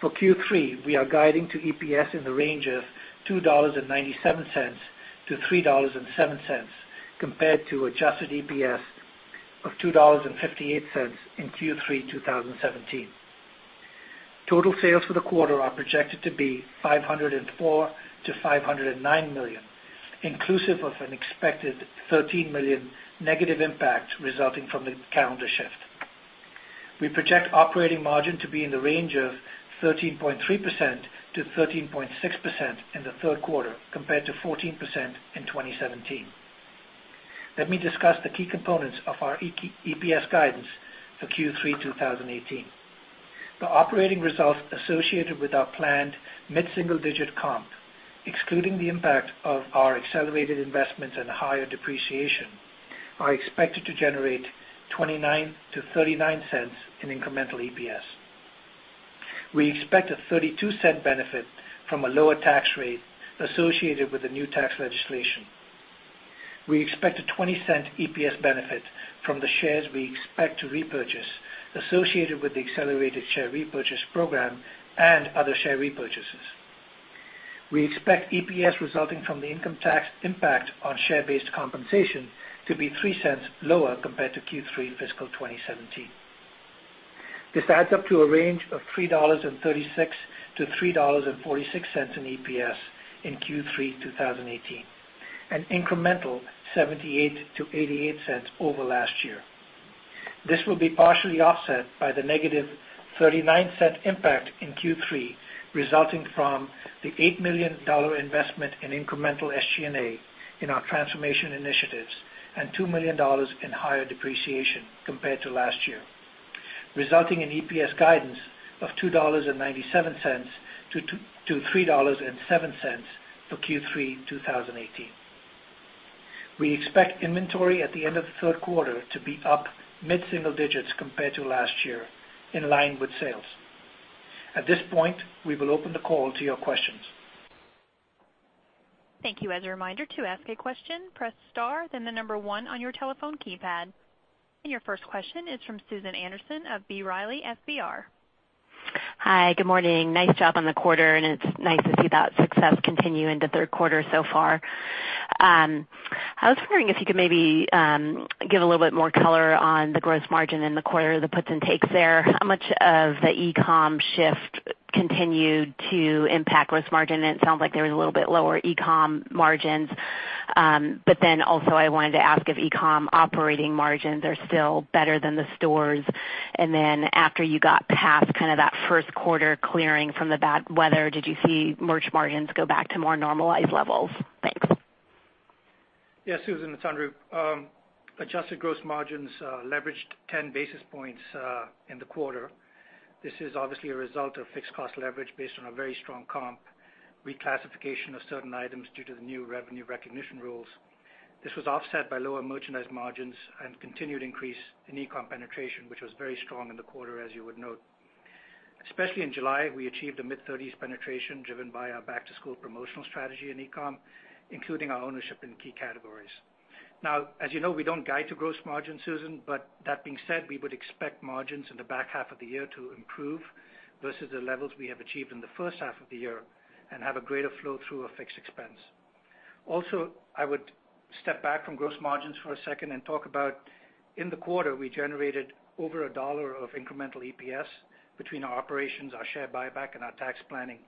For Q3, we are guiding to EPS in the range of $2.97-$3.07, compared to adjusted EPS of $2.58 in Q3 2017. Total sales for the quarter are projected to be $504 million-$509 million, inclusive of an expected $13 million negative impact resulting from the calendar shift. We project operating margin to be in the range of 13.3%-13.6% in the third quarter, compared to 14% in 2017. Let me discuss the key components of our EPS guidance for Q3 2018. The operating results associated with our planned mid-single-digit comp, excluding the impact of our accelerated investments and higher depreciation, are expected to generate $0.29-$0.39 in incremental EPS. We expect a $0.32 benefit from a lower tax rate associated with the new tax legislation. We expect a $0.20 EPS benefit from the shares we expect to repurchase associated with the accelerated share repurchase program and other share repurchases. We expect EPS resulting from the income tax impact on share-based compensation to be $0.03 lower compared to Q3 fiscal 2017. This adds up to a range of $3.36-$3.46 in EPS in Q3 2018, an incremental $0.78-$0.88 over last year. This will be partially offset by the negative $0.39 impact in Q3, resulting from the $8 million investment in incremental SG&A in our transformation initiatives, and $2 million in higher depreciation compared to last year, resulting in EPS guidance of $2.97-$3.07 for Q3 2018. We expect inventory at the end of the third quarter to be up mid-single digits compared to last year, in line with sales. At this point, we will open the call to your questions. Thank you. As a reminder, to ask a question, press star, then the number one on your telephone keypad. Your first question is from Susan Anderson of B. Riley FBR. Hi. Good morning. Nice job on the quarter, and it's nice to see that success continue into third quarter so far. I was wondering if you could maybe give a little more color on the gross margin in the quarter, the puts and takes there. How much of the e-com shift continued to impact gross margin? It sounds like there was a little bit lower e-com margins. I wanted to ask if e-com operating margins are still better than the stores. After you got past that first quarter clearing from the bad weather, did you see merch margins go back to more normalized levels? Thanks. Yeah, Susan, it's Anurup. Adjusted gross margins leveraged 10 basis points in the quarter. This is obviously a result of fixed cost leverage based on a very strong comp, reclassification of certain items due to the new revenue recognition rules. This was offset by lower merchandise margins and continued increase in e-com penetration, which was very strong in the quarter, as you would note. Especially in July, we achieved a mid-30s penetration, driven by our back-to-school promotional strategy in e-com, including our ownership in key categories. As you know, we don't guide to gross margins, Susan, but that being said, we would expect margins in the back half of the year to improve versus the levels we have achieved in the first half of the year and have a greater flow through of fixed expense. I would step back from gross margins for a second and talk about in the quarter, we generated over $1 of incremental EPS between our operations, our share buyback, and our tax planning.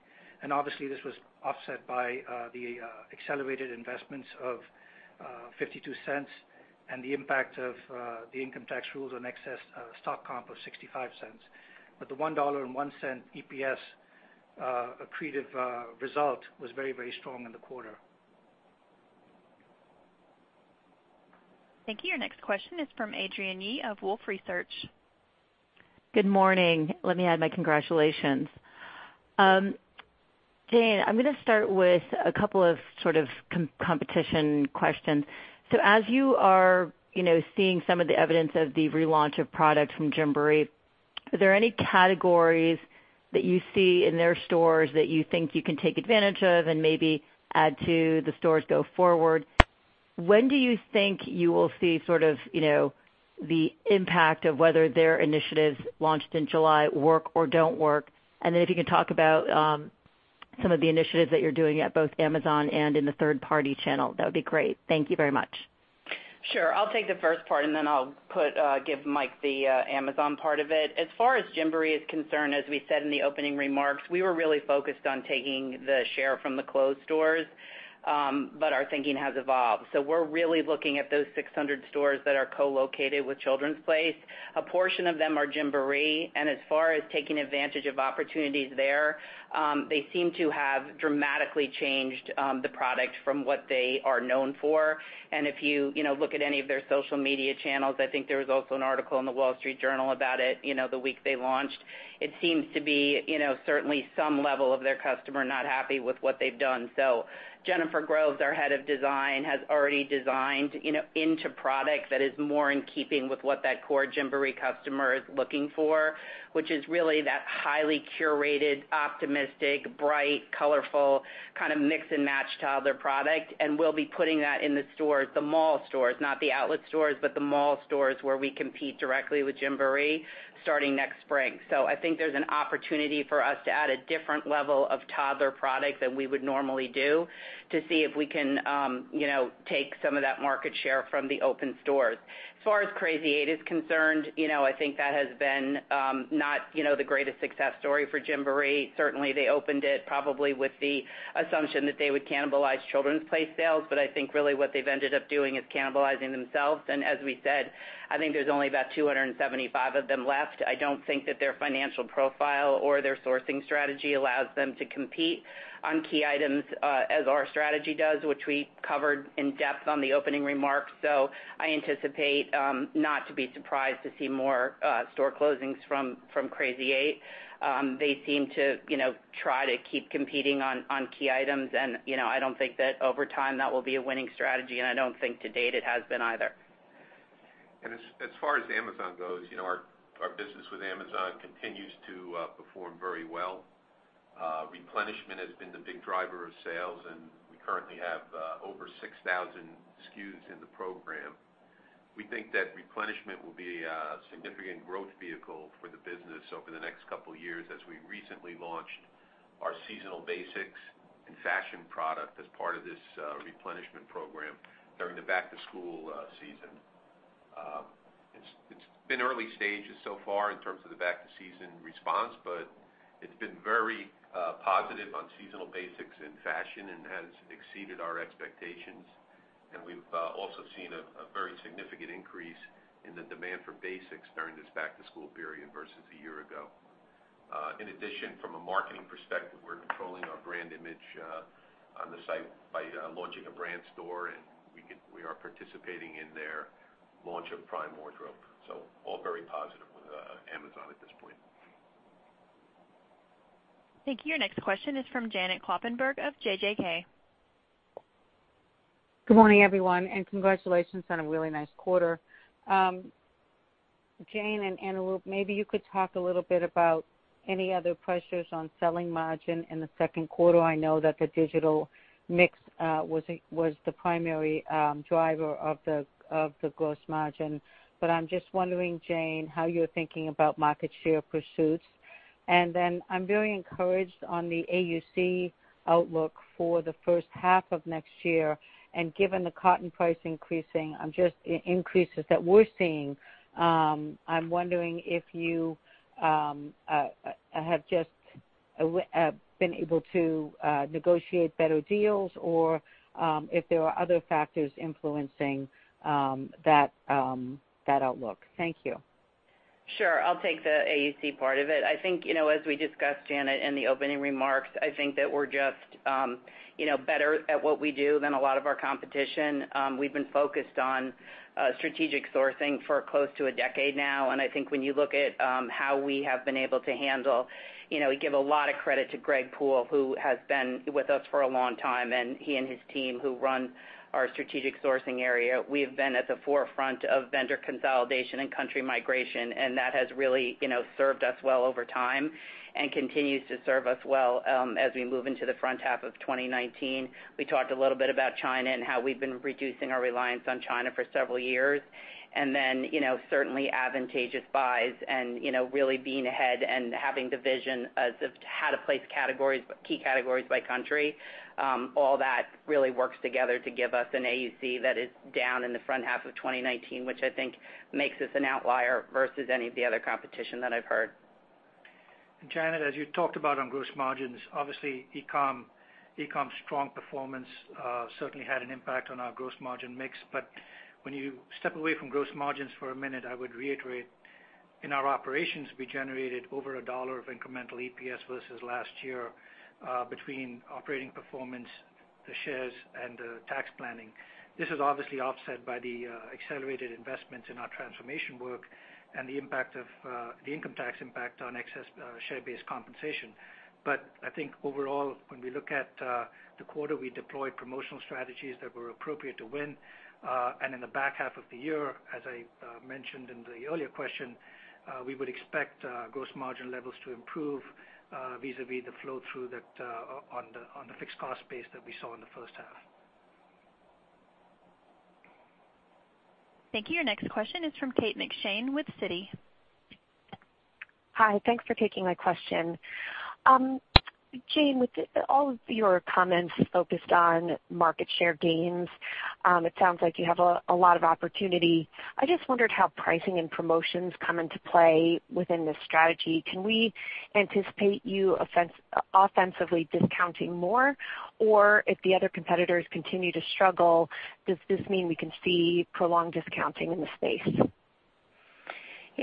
This was offset by the accelerated investments of $0.52 and the impact of the income tax rules on excess stock comp of $0.65. The $1.01 EPS accretive result was very strong in the quarter. Thank you. Your next question is from Adrienne Yih of Wolfe Research. Good morning. Let me add my congratulations. Jane, I'm gonna start with a couple of competition questions. As you are seeing some of the evidence of the relaunch of products from Gymboree, are there any categories that you see in their stores that you think you can take advantage of and maybe add to the stores go forward? When do you think you will see the impact of whether their initiatives launched in July work or don't work? If you could talk about some of the initiatives that you're doing at both Amazon and in the third-party channel, that would be great. Thank you very much. Sure. I'll take the first part, and then I'll give Mike the Amazon part of it. As far as Gymboree is concerned, as we said in the opening remarks, we were really focused on taking the share from the closed stores. Our thinking has evolved. We're really looking at those 600 stores that are co-located with The Children's Place. A portion of them are Gymboree, and as far as taking advantage of opportunities there, they seem to have dramatically changed the product from what they are known for. If you look at any of their social media channels, I think there was also an article in The Wall Street Journal about it, the week they launched. It seems to be certainly some level of their customer not happy with what they've done. Jennifer Groves, our head of design, has already designed into product that is more in keeping with what that core Gymboree customer is looking for, which is really that highly curated, optimistic, bright, colorful, kind of mix-and-match toddler product. We'll be putting that in the stores, the mall stores, not the outlet stores, but the mall stores where we compete directly with Gymboree starting next spring. I think there's an opportunity for us to add a different level of toddler product than we would normally do to see if we can take some of that market share from the open stores. As far as Crazy 8 is concerned, I think that has been not the greatest success story for Gymboree. Certainly, they opened it probably with the assumption that they would cannibalize The Children's Place sales, but I think really what they've ended up doing is cannibalizing themselves. As we said, I think there's only about 275 of them left. I don't think that their financial profile or their sourcing strategy allows them to compete on key items as our strategy does, which we covered in depth on the opening remarks. I anticipate not to be surprised to see more store closings from Crazy 8. They seem to try to keep competing on key items and I don't think that over time that will be a winning strategy, and I don't think to date it has been either. As far as Amazon goes, our business with Amazon continues to perform very well. Replenishment has been the big driver of sales, and we currently have over 6,000 SKUs in the program. We think that replenishment will be a significant growth vehicle for the business over the next couple of years as we recently launched our seasonal basics and fashion product as part of this replenishment program during the back-to-school season. It's been early stages so far in terms of the back-to-season response, but it's been very positive on seasonal basics and fashion and has exceeded our expectations. We've also seen a very significant increase in the demand for basics during this back-to-school period versus a year ago. In addition, from a marketing perspective, we're controlling our brand image on the site by launching a brand store, and we are participating in their launch of Prime Wardrobe. All very positive with Amazon at this point. Thank you. Your next question is from Janet Kloppenburg of JJK. Good morning, everyone, congratulations on a really nice quarter. Jane and Anurup, maybe you could talk a little bit about any other pressures on selling margin in the second quarter. I know that the digital mix was the primary driver of the gross margin. I'm just wondering, Jane, how you're thinking about market share pursuits. Then I'm very encouraged on the AUC outlook for the first half of next year. Given the cotton price increases that we're seeing, I'm wondering if you have just been able to negotiate better deals or if there are other factors influencing that outlook. Thank you. Sure. I'll take the AUC part of it. I think, as we discussed, Janet, in the opening remarks, I think that we're just better at what we do than a lot of our competition. We've been focused on strategic sourcing for close to a decade now. I think when you look at how we have been able to handle. We give a lot of credit to Gregory Poole, who has been with us for a long time, and he and his team who run our strategic sourcing area. We've been at the forefront of vendor consolidation and country migration, that has really served us well over time and continues to serve us well as we move into the front half of 2019. We talked a little bit about China and how we've been reducing our reliance on China for several years. Certainly advantageous buys and really being ahead and having the vision of how to place key categories by country. All that really works together to give us an AUC that is down in the front half of 2019, which I think makes us an outlier versus any of the other competition that I've heard. Janet, as you talked about on gross margins, obviously, e-com's strong performance certainly had an impact on our gross margin mix. When you step away from gross margins for a minute, I would reiterate, in our operations, we generated over $1 of incremental EPS versus last year between operating performance, the shares, and the tax planning. This is obviously offset by the accelerated investments in our transformation work and the income tax impact on excess share-based compensation. I think overall, when we look at the quarter, we deployed promotional strategies that were appropriate to win. In the back half of the year, as I mentioned in the earlier question, we would expect gross margin levels to improve vis-à-vis the flow-through on the fixed cost base that we saw in the first half. Thank you. Your next question is from Kate McShane with Citi. Hi. Thanks for taking my question. Jane, with all of your comments focused on market share gains, it sounds like you have a lot of opportunity. I just wondered how pricing and promotions come into play within this strategy. Can we anticipate you offensively discounting more? If the other competitors continue to struggle, does this mean we can see prolonged discounting in the space?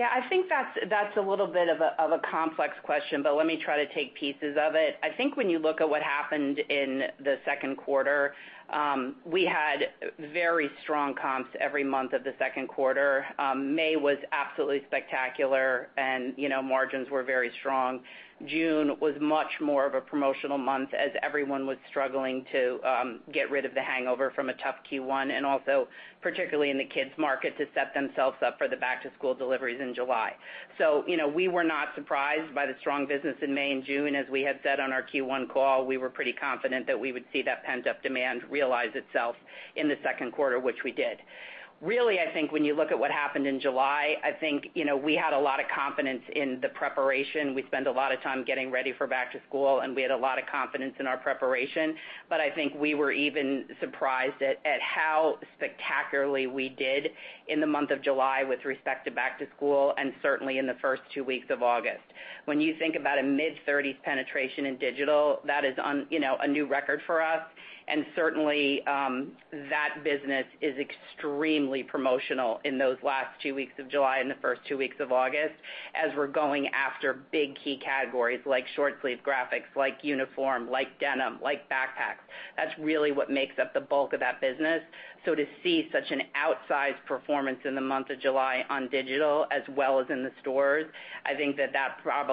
I think that's a little bit of a complex question. Let me try to take pieces of it. I think when you look at what happened in the second quarter, we had very strong comps every month of the second quarter. May was absolutely spectacular and margins were very strong. June was much more of a promotional month as everyone was struggling to get rid of the hangover from a tough Q1 and also particularly in the kids market to set themselves up for the back-to-school deliveries in July. We were not surprised by the strong business in May and June. As we had said on our Q1 call, we were pretty confident that we would see that pent-up demand realize itself in the second quarter, which we did. I think when you look at what happened in July, we had a lot of confidence in the preparation. We spent a lot of time getting ready for back-to-school, and we had a lot of confidence in our preparation. I think we were even surprised at how spectacularly we did in the month of July with respect to back-to-school, and certainly in the first two weeks of August. When you think about a mid-30s penetration in digital, that is a new record for us. Certainly, that business is extremely promotional in those last two weeks of July and the first two weeks of August, as we're going after big key categories like short-sleeved graphics, like uniform, like denim, like backpacks. That's really what makes up the bulk of that business. To see such an outsized performance in the month of July on digital as well as in the stores, I think that had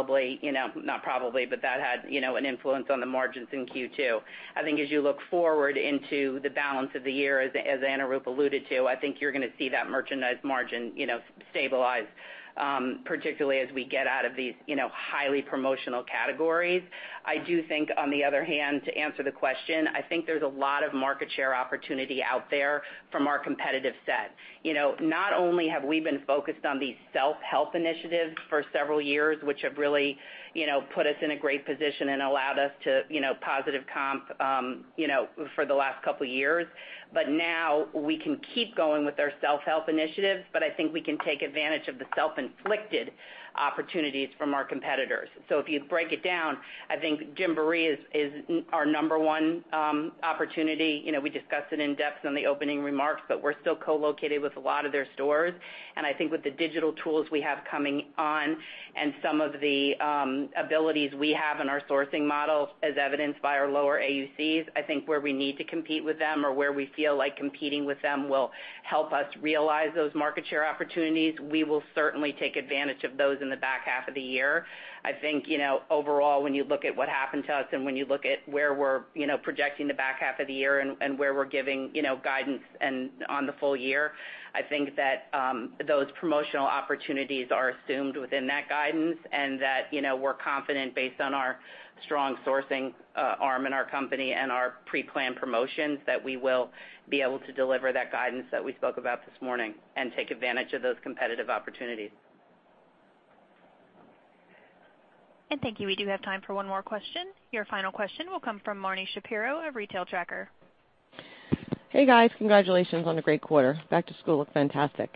an influence on the margins in Q2. I think as you look forward into the balance of the year, as Anurup alluded to, I think you're going to see that merchandise margin stabilize, particularly as we get out of these highly promotional categories. I do think, on the other hand, to answer the question, I think there's a lot of market share opportunity out there from our competitive set. Not only have we been focused on these self-help initiatives for several years, which have really put us in a great position and allowed us to positive comp for the last couple of years. Now we can keep going with our self-help initiatives, but I think we can take advantage of the self-inflicted opportunities from our competitors. If you break it down, I think Gymboree is our number one opportunity. We discussed it in depth on the opening remarks, but we're still co-located with a lot of their stores, and I think with the digital tools we have coming on and some of the abilities we have in our sourcing models, as evidenced by our lower AUCs, I think where we need to compete with them or where we feel like competing with them will help us realize those market share opportunities. We will certainly take advantage of those in the back half of the year. I think, overall, when you look at what happened to us and when you look at where we're projecting the back half of the year and where we're giving guidance on the full year, I think that those promotional opportunities are assumed within that guidance, and that we're confident based on our strong sourcing arm in our company and our pre-planned promotions, that we will be able to deliver that guidance that we spoke about this morning and take advantage of those competitive opportunities. Thank you. We do have time for one more question. Your final question will come from Marni Shapiro of Retail Tracker. Hey, guys. Congratulations on a great quarter. Back to school looked fantastic.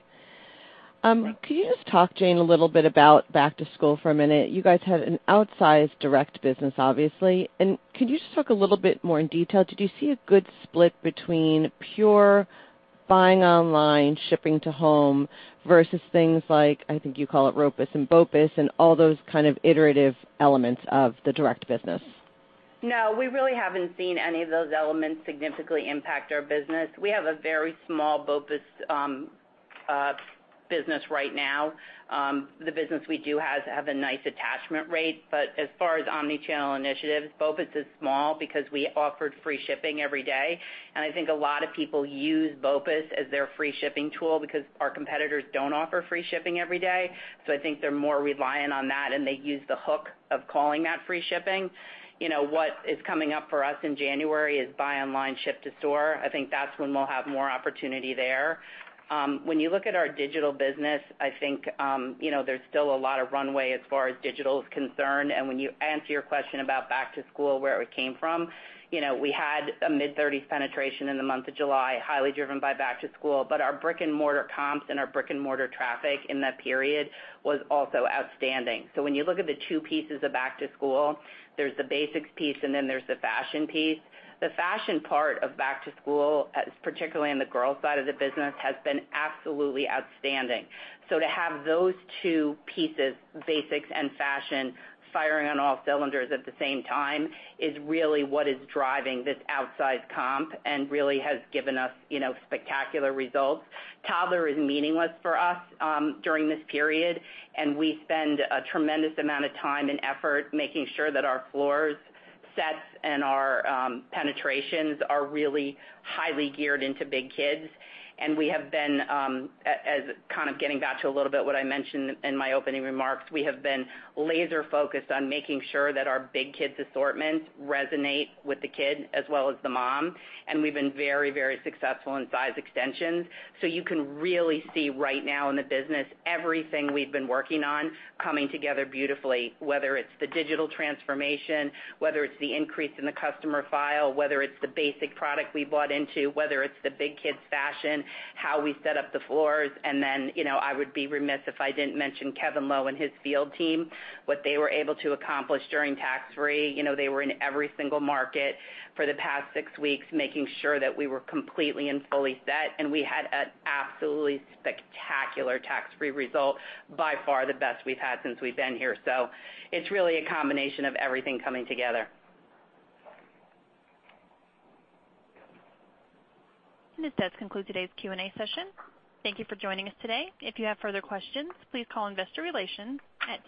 Can you just talk, Jane, a little about back to school for a minute? You guys had an outsized direct business, obviously. Could you just talk a little more in detail? Did you see a good split between pure buying online, shipping to home versus things like, I think you call it ROPIS and BOPIS and all those kind of iterative elements of the direct business? No, we really haven't seen any of those elements significantly impact our business. We have a very small BOPIS business right now. The business we do have a nice attachment rate, but as far as omni-channel initiatives, BOPIS is small because we offered free shipping every day. I think a lot of people use BOPIS as their free shipping tool because our competitors don't offer free shipping every day. I think they're more reliant on that, and they use the hook of calling that free shipping. What is coming up for us in January is buy online, ship to store. I think that's when we'll have more opportunity there. When you look at our digital business, I think, there's still a lot of runway as far as digital is concerned. When you answer your question about back to school, where it came from, we had a mid-30 penetration in the month of July, highly driven by back to school. Our brick and mortar comps and our brick and mortar traffic in that period was also outstanding. When you look at the two pieces of back to school, there's the basics piece, and then there's the fashion piece. The fashion part of back to school, particularly in the girls side of the business, has been absolutely outstanding. To have those two pieces, basics and fashion, firing on all cylinders at the same time is really what is driving this outsized comp and really has given us spectacular results. Toddler is meaningless for us during this period, and we spend a tremendous amount of time and effort making sure that our floors, sets, and our penetrations are really highly geared into big kids. We have been, as kind of getting back to a little bit what I mentioned in my opening remarks, we have been laser focused on making sure that our big kids assortment resonate with the kid as well as the mom. We've been very, very successful in size extensions. You can really see right now in the business everything we've been working on coming together beautifully, whether it's the digital transformation, whether it's the increase in the customer file, whether it's the basic product we bought into, whether it's the big kids fashion, how we set up the floors. Then, I would be remiss if I didn't mention Kevin Low and his field team, what they were able to accomplish during tax free. They were in every single market for the past six weeks, making sure that we were completely and fully set, and we had an absolutely spectacular tax free result. By far the best we've had since we've been here. It's really a combination of everything coming together. This does conclude today's Q&A session. Thank you for joining us today. If you have further questions, please call investor relations at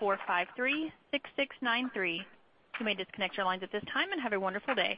201-453-6693. You may disconnect your lines at this time, and have a wonderful day.